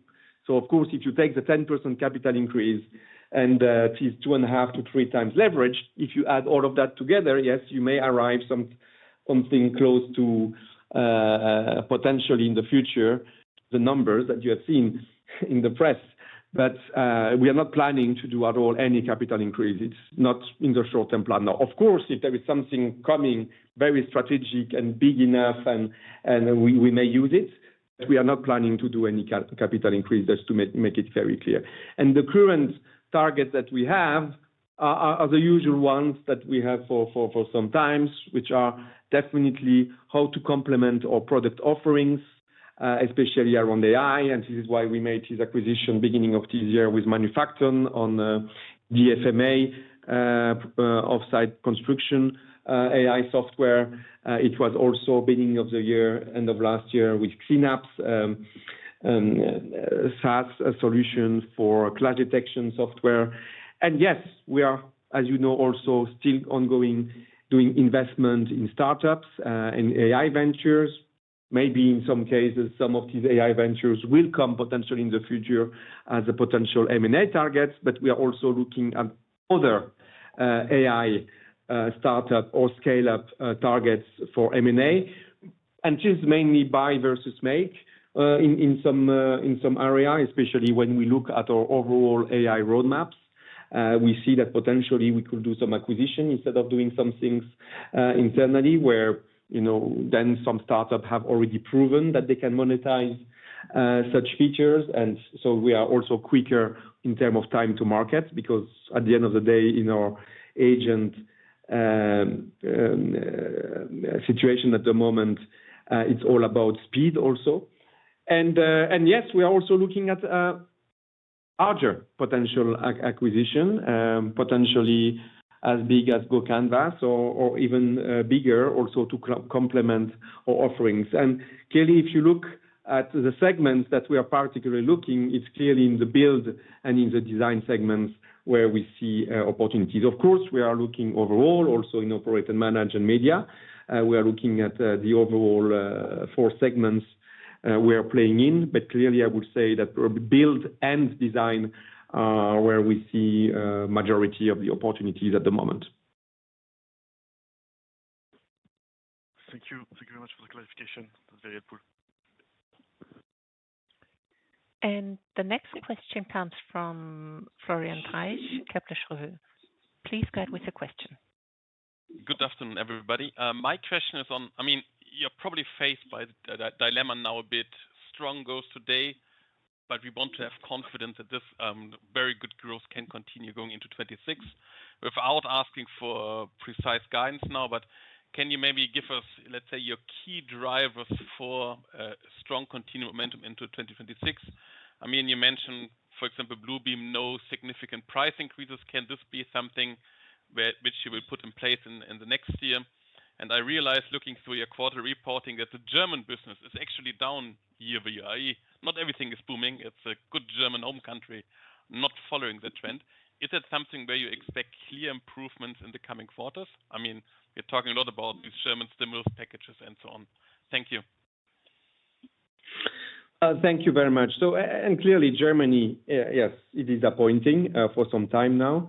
Of course, if you take the 10% capital increase and it is 2.5x-3x leverage, if you add all of that together, you may arrive at something close to potentially in the future, the numbers that you have seen in the press. We are not planning to do at all any capital increase. It's not in the short-term plan now. Of course, if there is something coming very strategic and big enough, we may use it, but we are not planning to do any capital increase, just to make it very clear. The current targets that we have are the usual ones that we have for some times, which are definitely how to complement our product offerings, especially around AI. This is why we made this acquisition beginning of this year with Manufacton on DFMA, offsite construction AI software. It was also beginning of the year, end of last year with Synapse, SaaS solution for cloud detection software. We are, as you know, also still ongoing doing investment in startups and AI ventures. Maybe in some cases, some of these AI ventures will come potentially in the future as a potential M&A targets, but we are also looking at other AI startup or scale-up targets for M&A. This is mainly buy versus make in some area, especially when we look at our overall AI roadmaps. We see that potentially we could do some acquisition instead of doing some things internally where then some startups have already proven that they can monetize such features. We are also quicker in terms of time to market because at the end of the day, in our agent situation at the moment, it's all about speed also. Yes, we are also looking at larger potential acquisition, potentially as big as GoCanvas or even bigger also to complement our offerings. Clearly, if you look at the segments that we are particularly looking, it's clearly in the build and in the design segments where we see opportunities. Of course, we are looking overall also in operate and manage and media. We are looking at the overall four segments we are playing in, but clearly, I would say that build and design are where we see the majority of the opportunities at the moment. Thank you very much for the clarification. That's very helpful. The next question comes from Florian Treisch, Kepler Cheuvreux. Please go ahead with the question. Good afternoon, everybody. My question is on, I mean, you're probably faced by the dilemma now a bit. Strong growth today, but we want to have confidence that this very good growth can continue going into 2026 without asking for precise guidance now. Can you maybe give us, let's say, your key drivers for a strong continued momentum into 2026? I mean, you mentioned, for example, Bluebeam, no significant price increases. Can this be something which you will put in place in the next year? I realized looking through your quarterly reporting that the German business is actually down year by year. Not everything is booming. It's a good German home country not following the trend. Is that something where you expect clear improvements in the coming quarters? I mean, we're talking a lot about these German stimulus packages and so on. Thank you. Thank you very much. Clearly, Germany, yes, it is disappointing for some time now.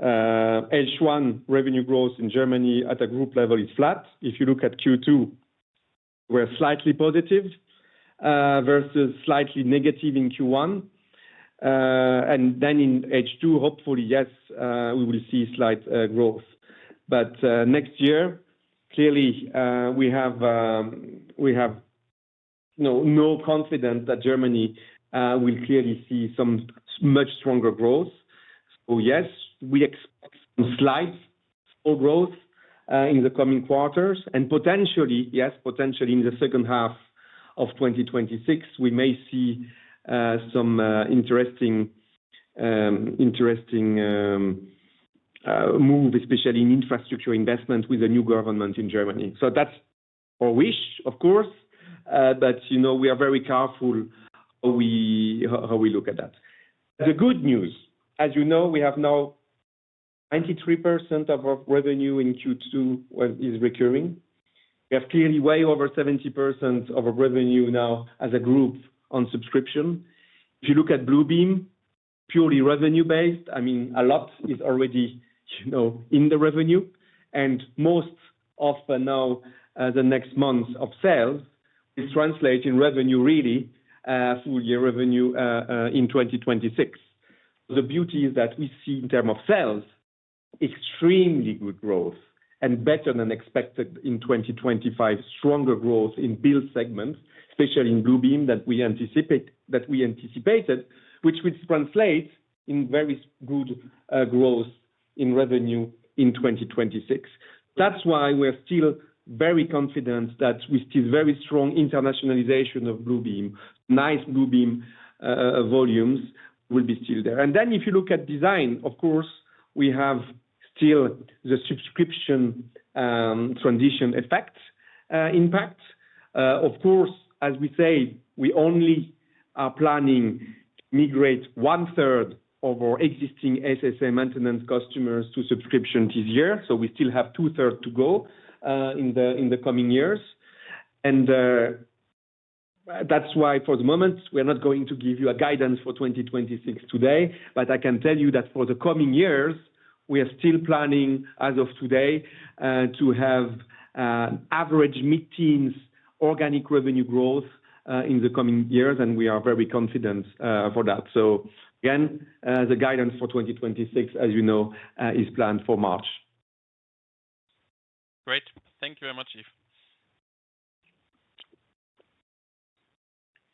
H1 revenue growth in Germany at a group level is flat. If you look at Q2, we're slightly positive versus slightly negative in Q1. In H2, hopefully, yes, we will see slight growth. Next year, clearly, we have no confidence that Germany will clearly see some much stronger growth. Yes, we expect some slight slow growth in the coming quarters. Potentially, yes, potentially in the second half of 2026, we may see some interesting. Move, especially in infrastructure investment with the new government in Germany. That's our wish, of course. We are very careful how we look at that. The good news, as you know, we have now 93% of our revenue in Q2 is recurring. We have clearly way over 70% of our revenue now as a group on subscription. If you look at Bluebeam, purely revenue-based, a lot is already in the revenue. Most often now, the next months of sales is translated in revenue, really, full year revenue in 2026. The beauty is that we see in terms of sales extremely good growth and better than expected in 2025, stronger growth in build segments, especially in Bluebeam that we anticipated, which would translate in very good growth in revenue in 2026. That's why we're still very confident that we still have very strong internationalization of Bluebeam. Nice Bluebeam volumes will be still there. If you look at design, we have still the subscription transition effect impact. As we say, we only are planning to migrate one-third of our existing SSA maintenance customers to subscription this year. We still have two-thirds to go in the coming years. That's why for the moment, we're not going to give you guidance for 2026 today. I can tell you that for the coming years, we are still planning as of today to have average meetings organic revenue growth in the coming years. We are very confident for that. The guidance for 2026, as you know, is planned for March. Great. Thank you very much, Yves.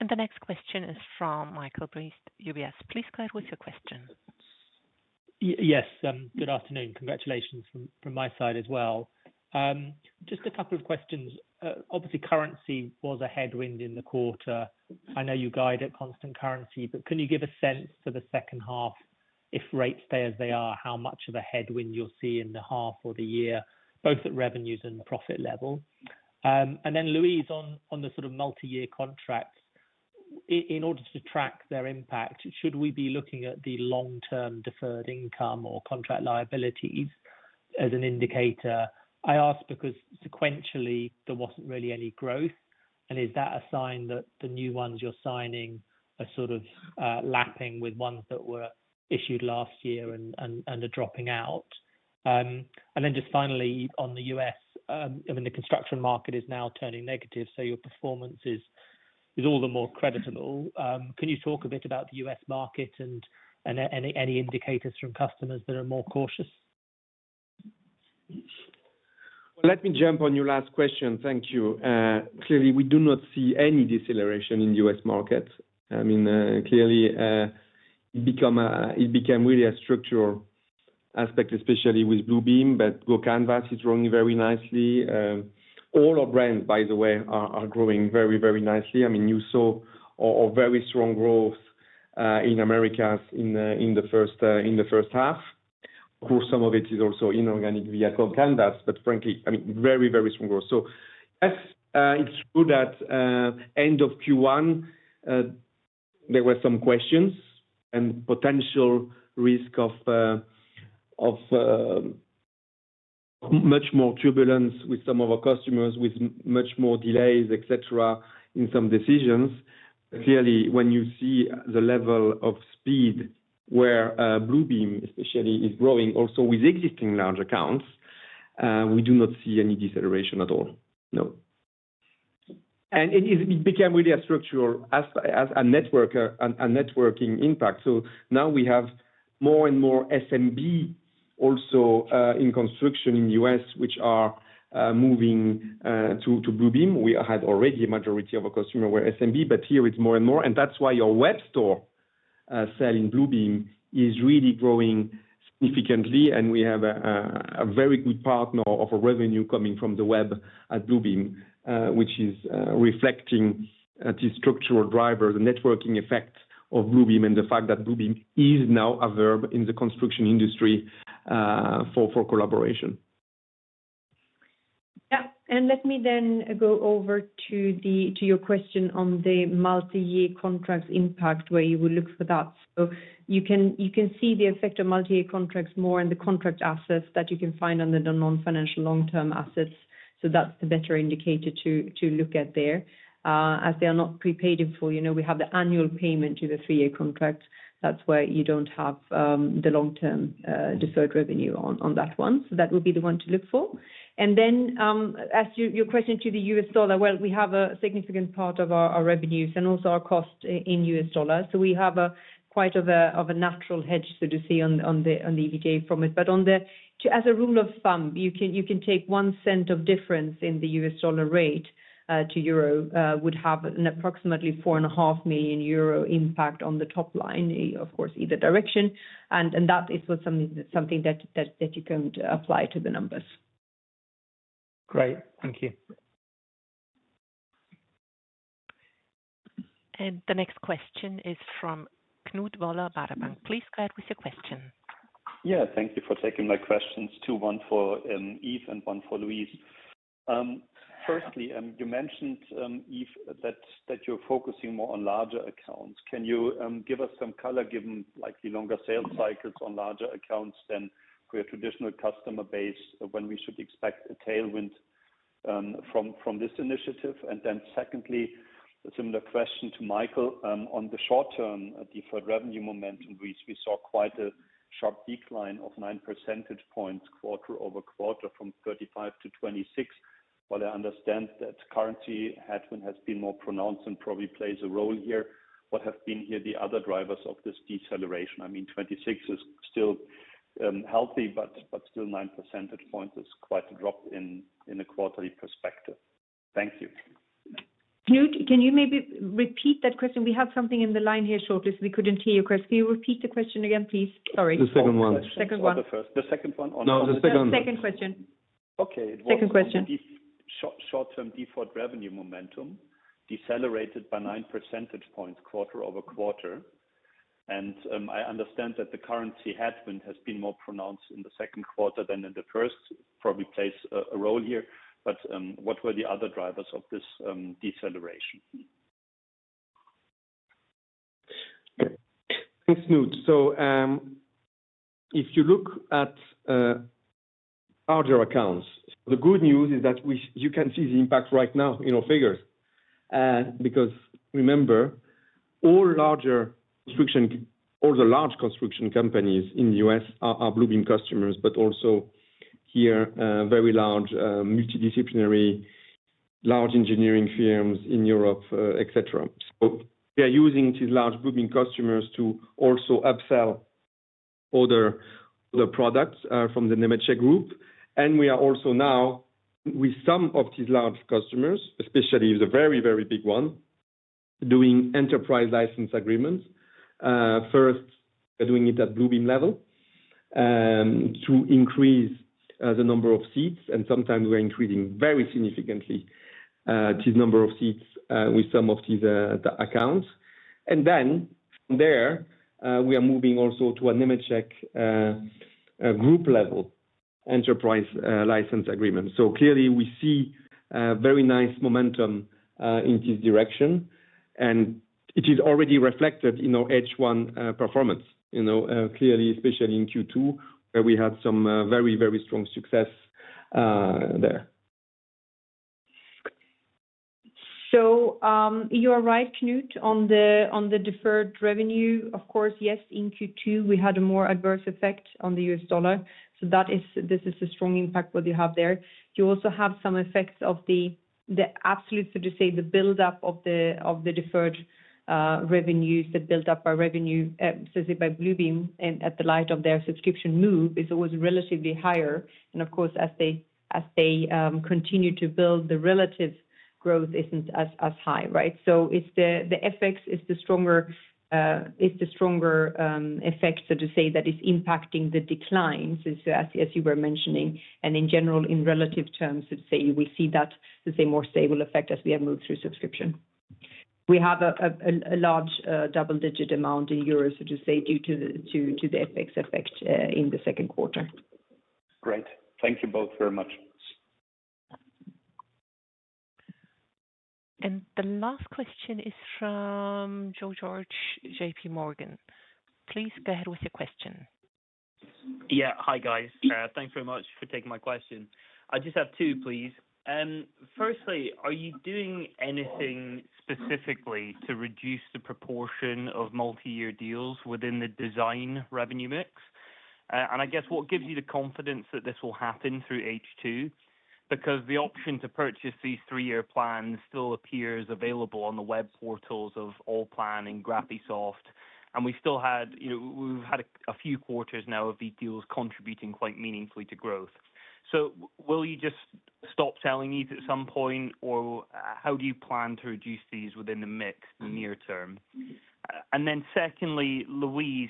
The next question is from Michael Briest, UBS. Please go ahead with your question. Yes. Good afternoon. Congratulations from my side as well. Just a couple of questions. Obviously, currency was a headwind in the quarter. I know you guide at constant currency, but can you give a sense for the second half, if rates stay as they are, how much of a headwind you'll see in the half or the year, both at revenues and profit level? Then Louise, on the sort of multi-year contracts, in order to track their impact, should we be looking at the long-term deferred income or contract liabilities as an indicator? I ask because sequentially, there wasn't really any growth. Is that a sign that the new ones you're signing are sort of lapping with ones that were issued last year and are dropping out? Finally, on the U.S., the construction market is now turning negative, so your performance is all the more creditable. Can you talk a bit about the U.S. market and any indicators from customers that are more cautious? Let me jump on your last question. Thank you. Clearly, we do not see any deceleration in the U.S. market. It became really a structural aspect, especially with Bluebeam, but GoCanvas is growing very nicely. All our brands, by the way, are growing very, very nicely. You saw very strong growth in Americas in the first half. Of course, some of it is also inorganic via GoCanvas, but frankly, very, very strong growth. Yes, it's true that end of Q1 there were some questions and potential risk of much more turbulence with some of our customers, with much more delays, etc., in some decisions. Clearly, when you see the level of speed where Bluebeam, especially, is growing, also with existing large accounts, we do not see any deceleration at all. It became really a structural networking impact. Now we have more and more SMB also in construction in the U.S., which are moving to Bluebeam. We had already a majority of our customers were SMB, but here it's more and more. That's why your web store sale in Bluebeam is really growing significantly. We have a very good partner of revenue coming from the web at Bluebeam, which is reflecting these structural drivers, the networking effect of Bluebeam, and the fact that Bluebeam is now a verb in the construction industry for collaboration. Let me then go over to your question on the multi-year contracts impact where you will look for that. You can see the effect of multi-year contracts more in the contract assets that you can find on the non-financial long-term assets. That's the better indicator to look at there. As they are not prepaid for, we have the annual payment to the three-year contract. That's where you don't have the long-term deferred revenue on that one. That would be the one to look for. As to your question on the U.S. dollar, we have a significant part of our revenues and also our cost in U.S. dollars. We have quite a natural hedge, so to say, on the EBITDA from it. As a rule of thumb, you can take $0.01 of difference in the U.S. dollar rate to euro would have an approximately $4.5 million impact on the top line, of course, either direction. That is something that you can apply to the numbers. Great, thank you. The next question is from Knut Woller, Baader Bank. Please go ahead with your question. Thank you for taking my questions. Two, one for Yves and one for Louise. Firstly, you mentioned, Yves, that you're focusing more on larger accounts. Can you give us some color? Given likely longer sales cycles on larger accounts than for your traditional customer base, when we should expect a tailwind from this initiative? Secondly, a similar question to Michael. On the short term, the third revenue momentum, we saw quite a sharp decline of 9% quarter-over-quarter from 35% to 26%. While I understand that currency headwind has been more pronounced and probably plays a role here, what have been the other drivers of this deceleration? I mean, 26% is still healthy, but still 9% is quite a drop in a quarterly perspective. Thank you. Knut, can you maybe repeat that question? We have something in the line here. We couldn't hear your question. Can you repeat the question again, please? Sorry. The second one. The second one. The second one or no? No, the second one. The second question. Okay. Second question. Short-term default revenue momentum decelerated by 9 percentage points quarter-over-quarter. I understand that the currency headwind has been more pronounced in the second quarter than in the first, which probably plays a role here. What were the other drivers of this deceleration? Thanks, Knut. If you look at larger accounts, the good news is that you can see the impact right now in our figures. Remember, all the large construction companies in the U.S. are Bluebeam customers, but also here very large multidisciplinary, large engineering firms in Europe, etc. They are using these large Bluebeam customers to also upsell other products from the Nemetschek Group. We are also now, with some of these large customers, especially the very, very big one, doing enterprise license agreements. First, they're doing it at Bluebeam level to increase the number of seats, and sometimes we're increasing very significantly these number of seats with some of these accounts. From there, we are moving also to a Nemetschek Group level enterprise license agreement. Clearly, we see very nice momentum in this direction, and it is already reflected in our H1 performance, especially in Q2, where we had some very, very strong success there. You are right, Knut, on the deferred revenue. Of course, in Q2, we had a more adverse effect on the U.S. dollar. This is a strong impact what you have there. You also have some effects of the absolute, so to say, the buildup of the deferred revenues, the buildup by revenue, so to say, by Bluebeam, and in light of their subscription move is always relatively higher. As they continue to build, the relative growth isn't as high, right? The effect is the stronger effect, so to say, that is impacting the declines, as you were mentioning. In general, in relative terms, so to say, you will see that, so to say, more stable effect as we have moved through subscription. We have a large double-digit amount in euros, so to say, due to the effects in the second quarter. Great. Thank you both very much. The last question is from Joe George, JPMorgan. Please go ahead with your question. Yeah, hi, guys. Thanks very much for taking my question. I just have two, please. Firstly, are you doing anything specifically to reduce the proportion of multi-year deals within the design revenue mix? What gives you the confidence that this will happen through H2? The option to purchase these three-year plans still appears available on the web portals of Allplan and Graphisoft. We still had a few quarters now of these deals contributing quite meaningfully to growth. Will you just stop selling these at some point, or how do you plan to reduce these within the mix in the near term? Secondly, Louise,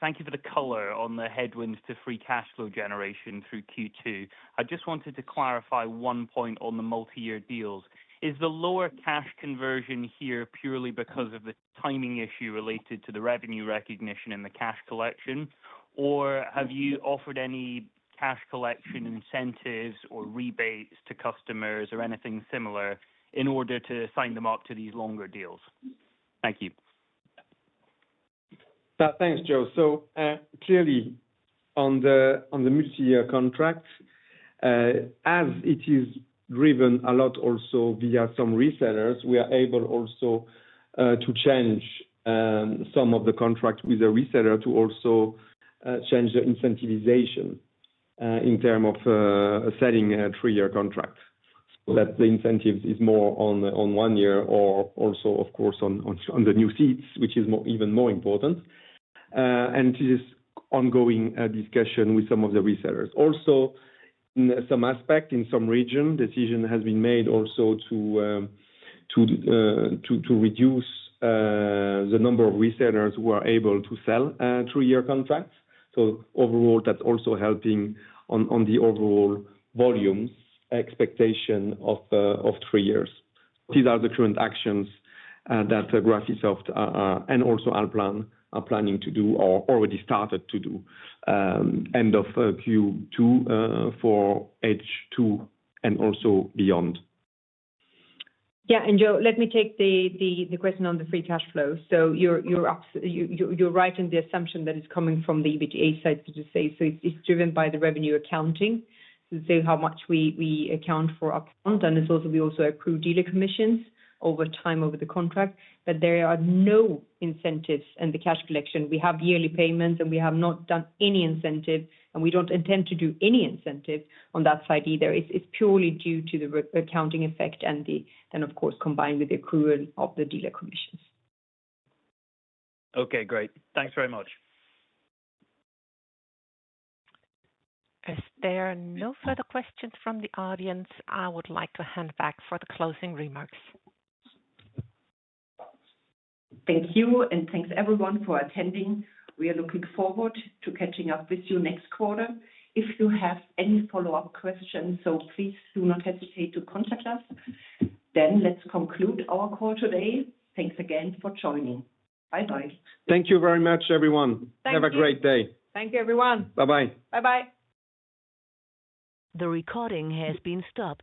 thank you for the color on the headwinds to free cash flow generation through Q2. I just wanted to clarify one point on the multi-year deals. Is the lower cash conversion here purely because of the timing issue related to the revenue recognition and the cash collection? Have you offered any cash collection incentives or rebates to customers or anything similar in order to sign them up to these longer deals? Thank you. Thanks, Joe. On the multi-year contracts, as it is driven a lot also via some resellers, we are able also to change some of the contract with a reseller to also change the incentivization in terms of setting a three-year contract so that the incentives is more on one year or also, of course, on the new seats, which is even more important. To this ongoing discussion with some of the resellers, also, in some aspect, in some region, decision has been made also to reduce the number of resellers who are able to sell three-year contracts. Overall, that's also helping on the overall volume expectation of three years. These are the current actions that Graphisoft and also Allplan are planning to do or already started to do. End of Q2 for H2 and also beyond. Yeah, and Joe, let me take the question on the free cash flow. You're right in the assumption that it's coming from the EBITDA side, so to say. It's driven by the revenue accounting, how much we account for upfront. We also accrue dealer commissions over time over the contract. There are no incentives in the cash collection. We have yearly payments, and we have not done any incentive, and we don't intend to do any incentive on that side either. It's purely due to the accounting effect and, of course, combined with the accrual of the dealer commissions. Okay, great. Thanks very much. As there are no further questions from the audience, I would like to hand back for the closing remarks. Thank you, and thanks everyone for attending. We are looking forward to catching up with you next quarter. If you have any follow-up questions, please do not hesitate to contact us. Let's conclude our call today. Thanks again for joining. Bye-bye. Thank you very much, everyone. Thank you. Have a great day. Thank you, everyone. Bye-bye. Bye-bye. The recording has been stopped.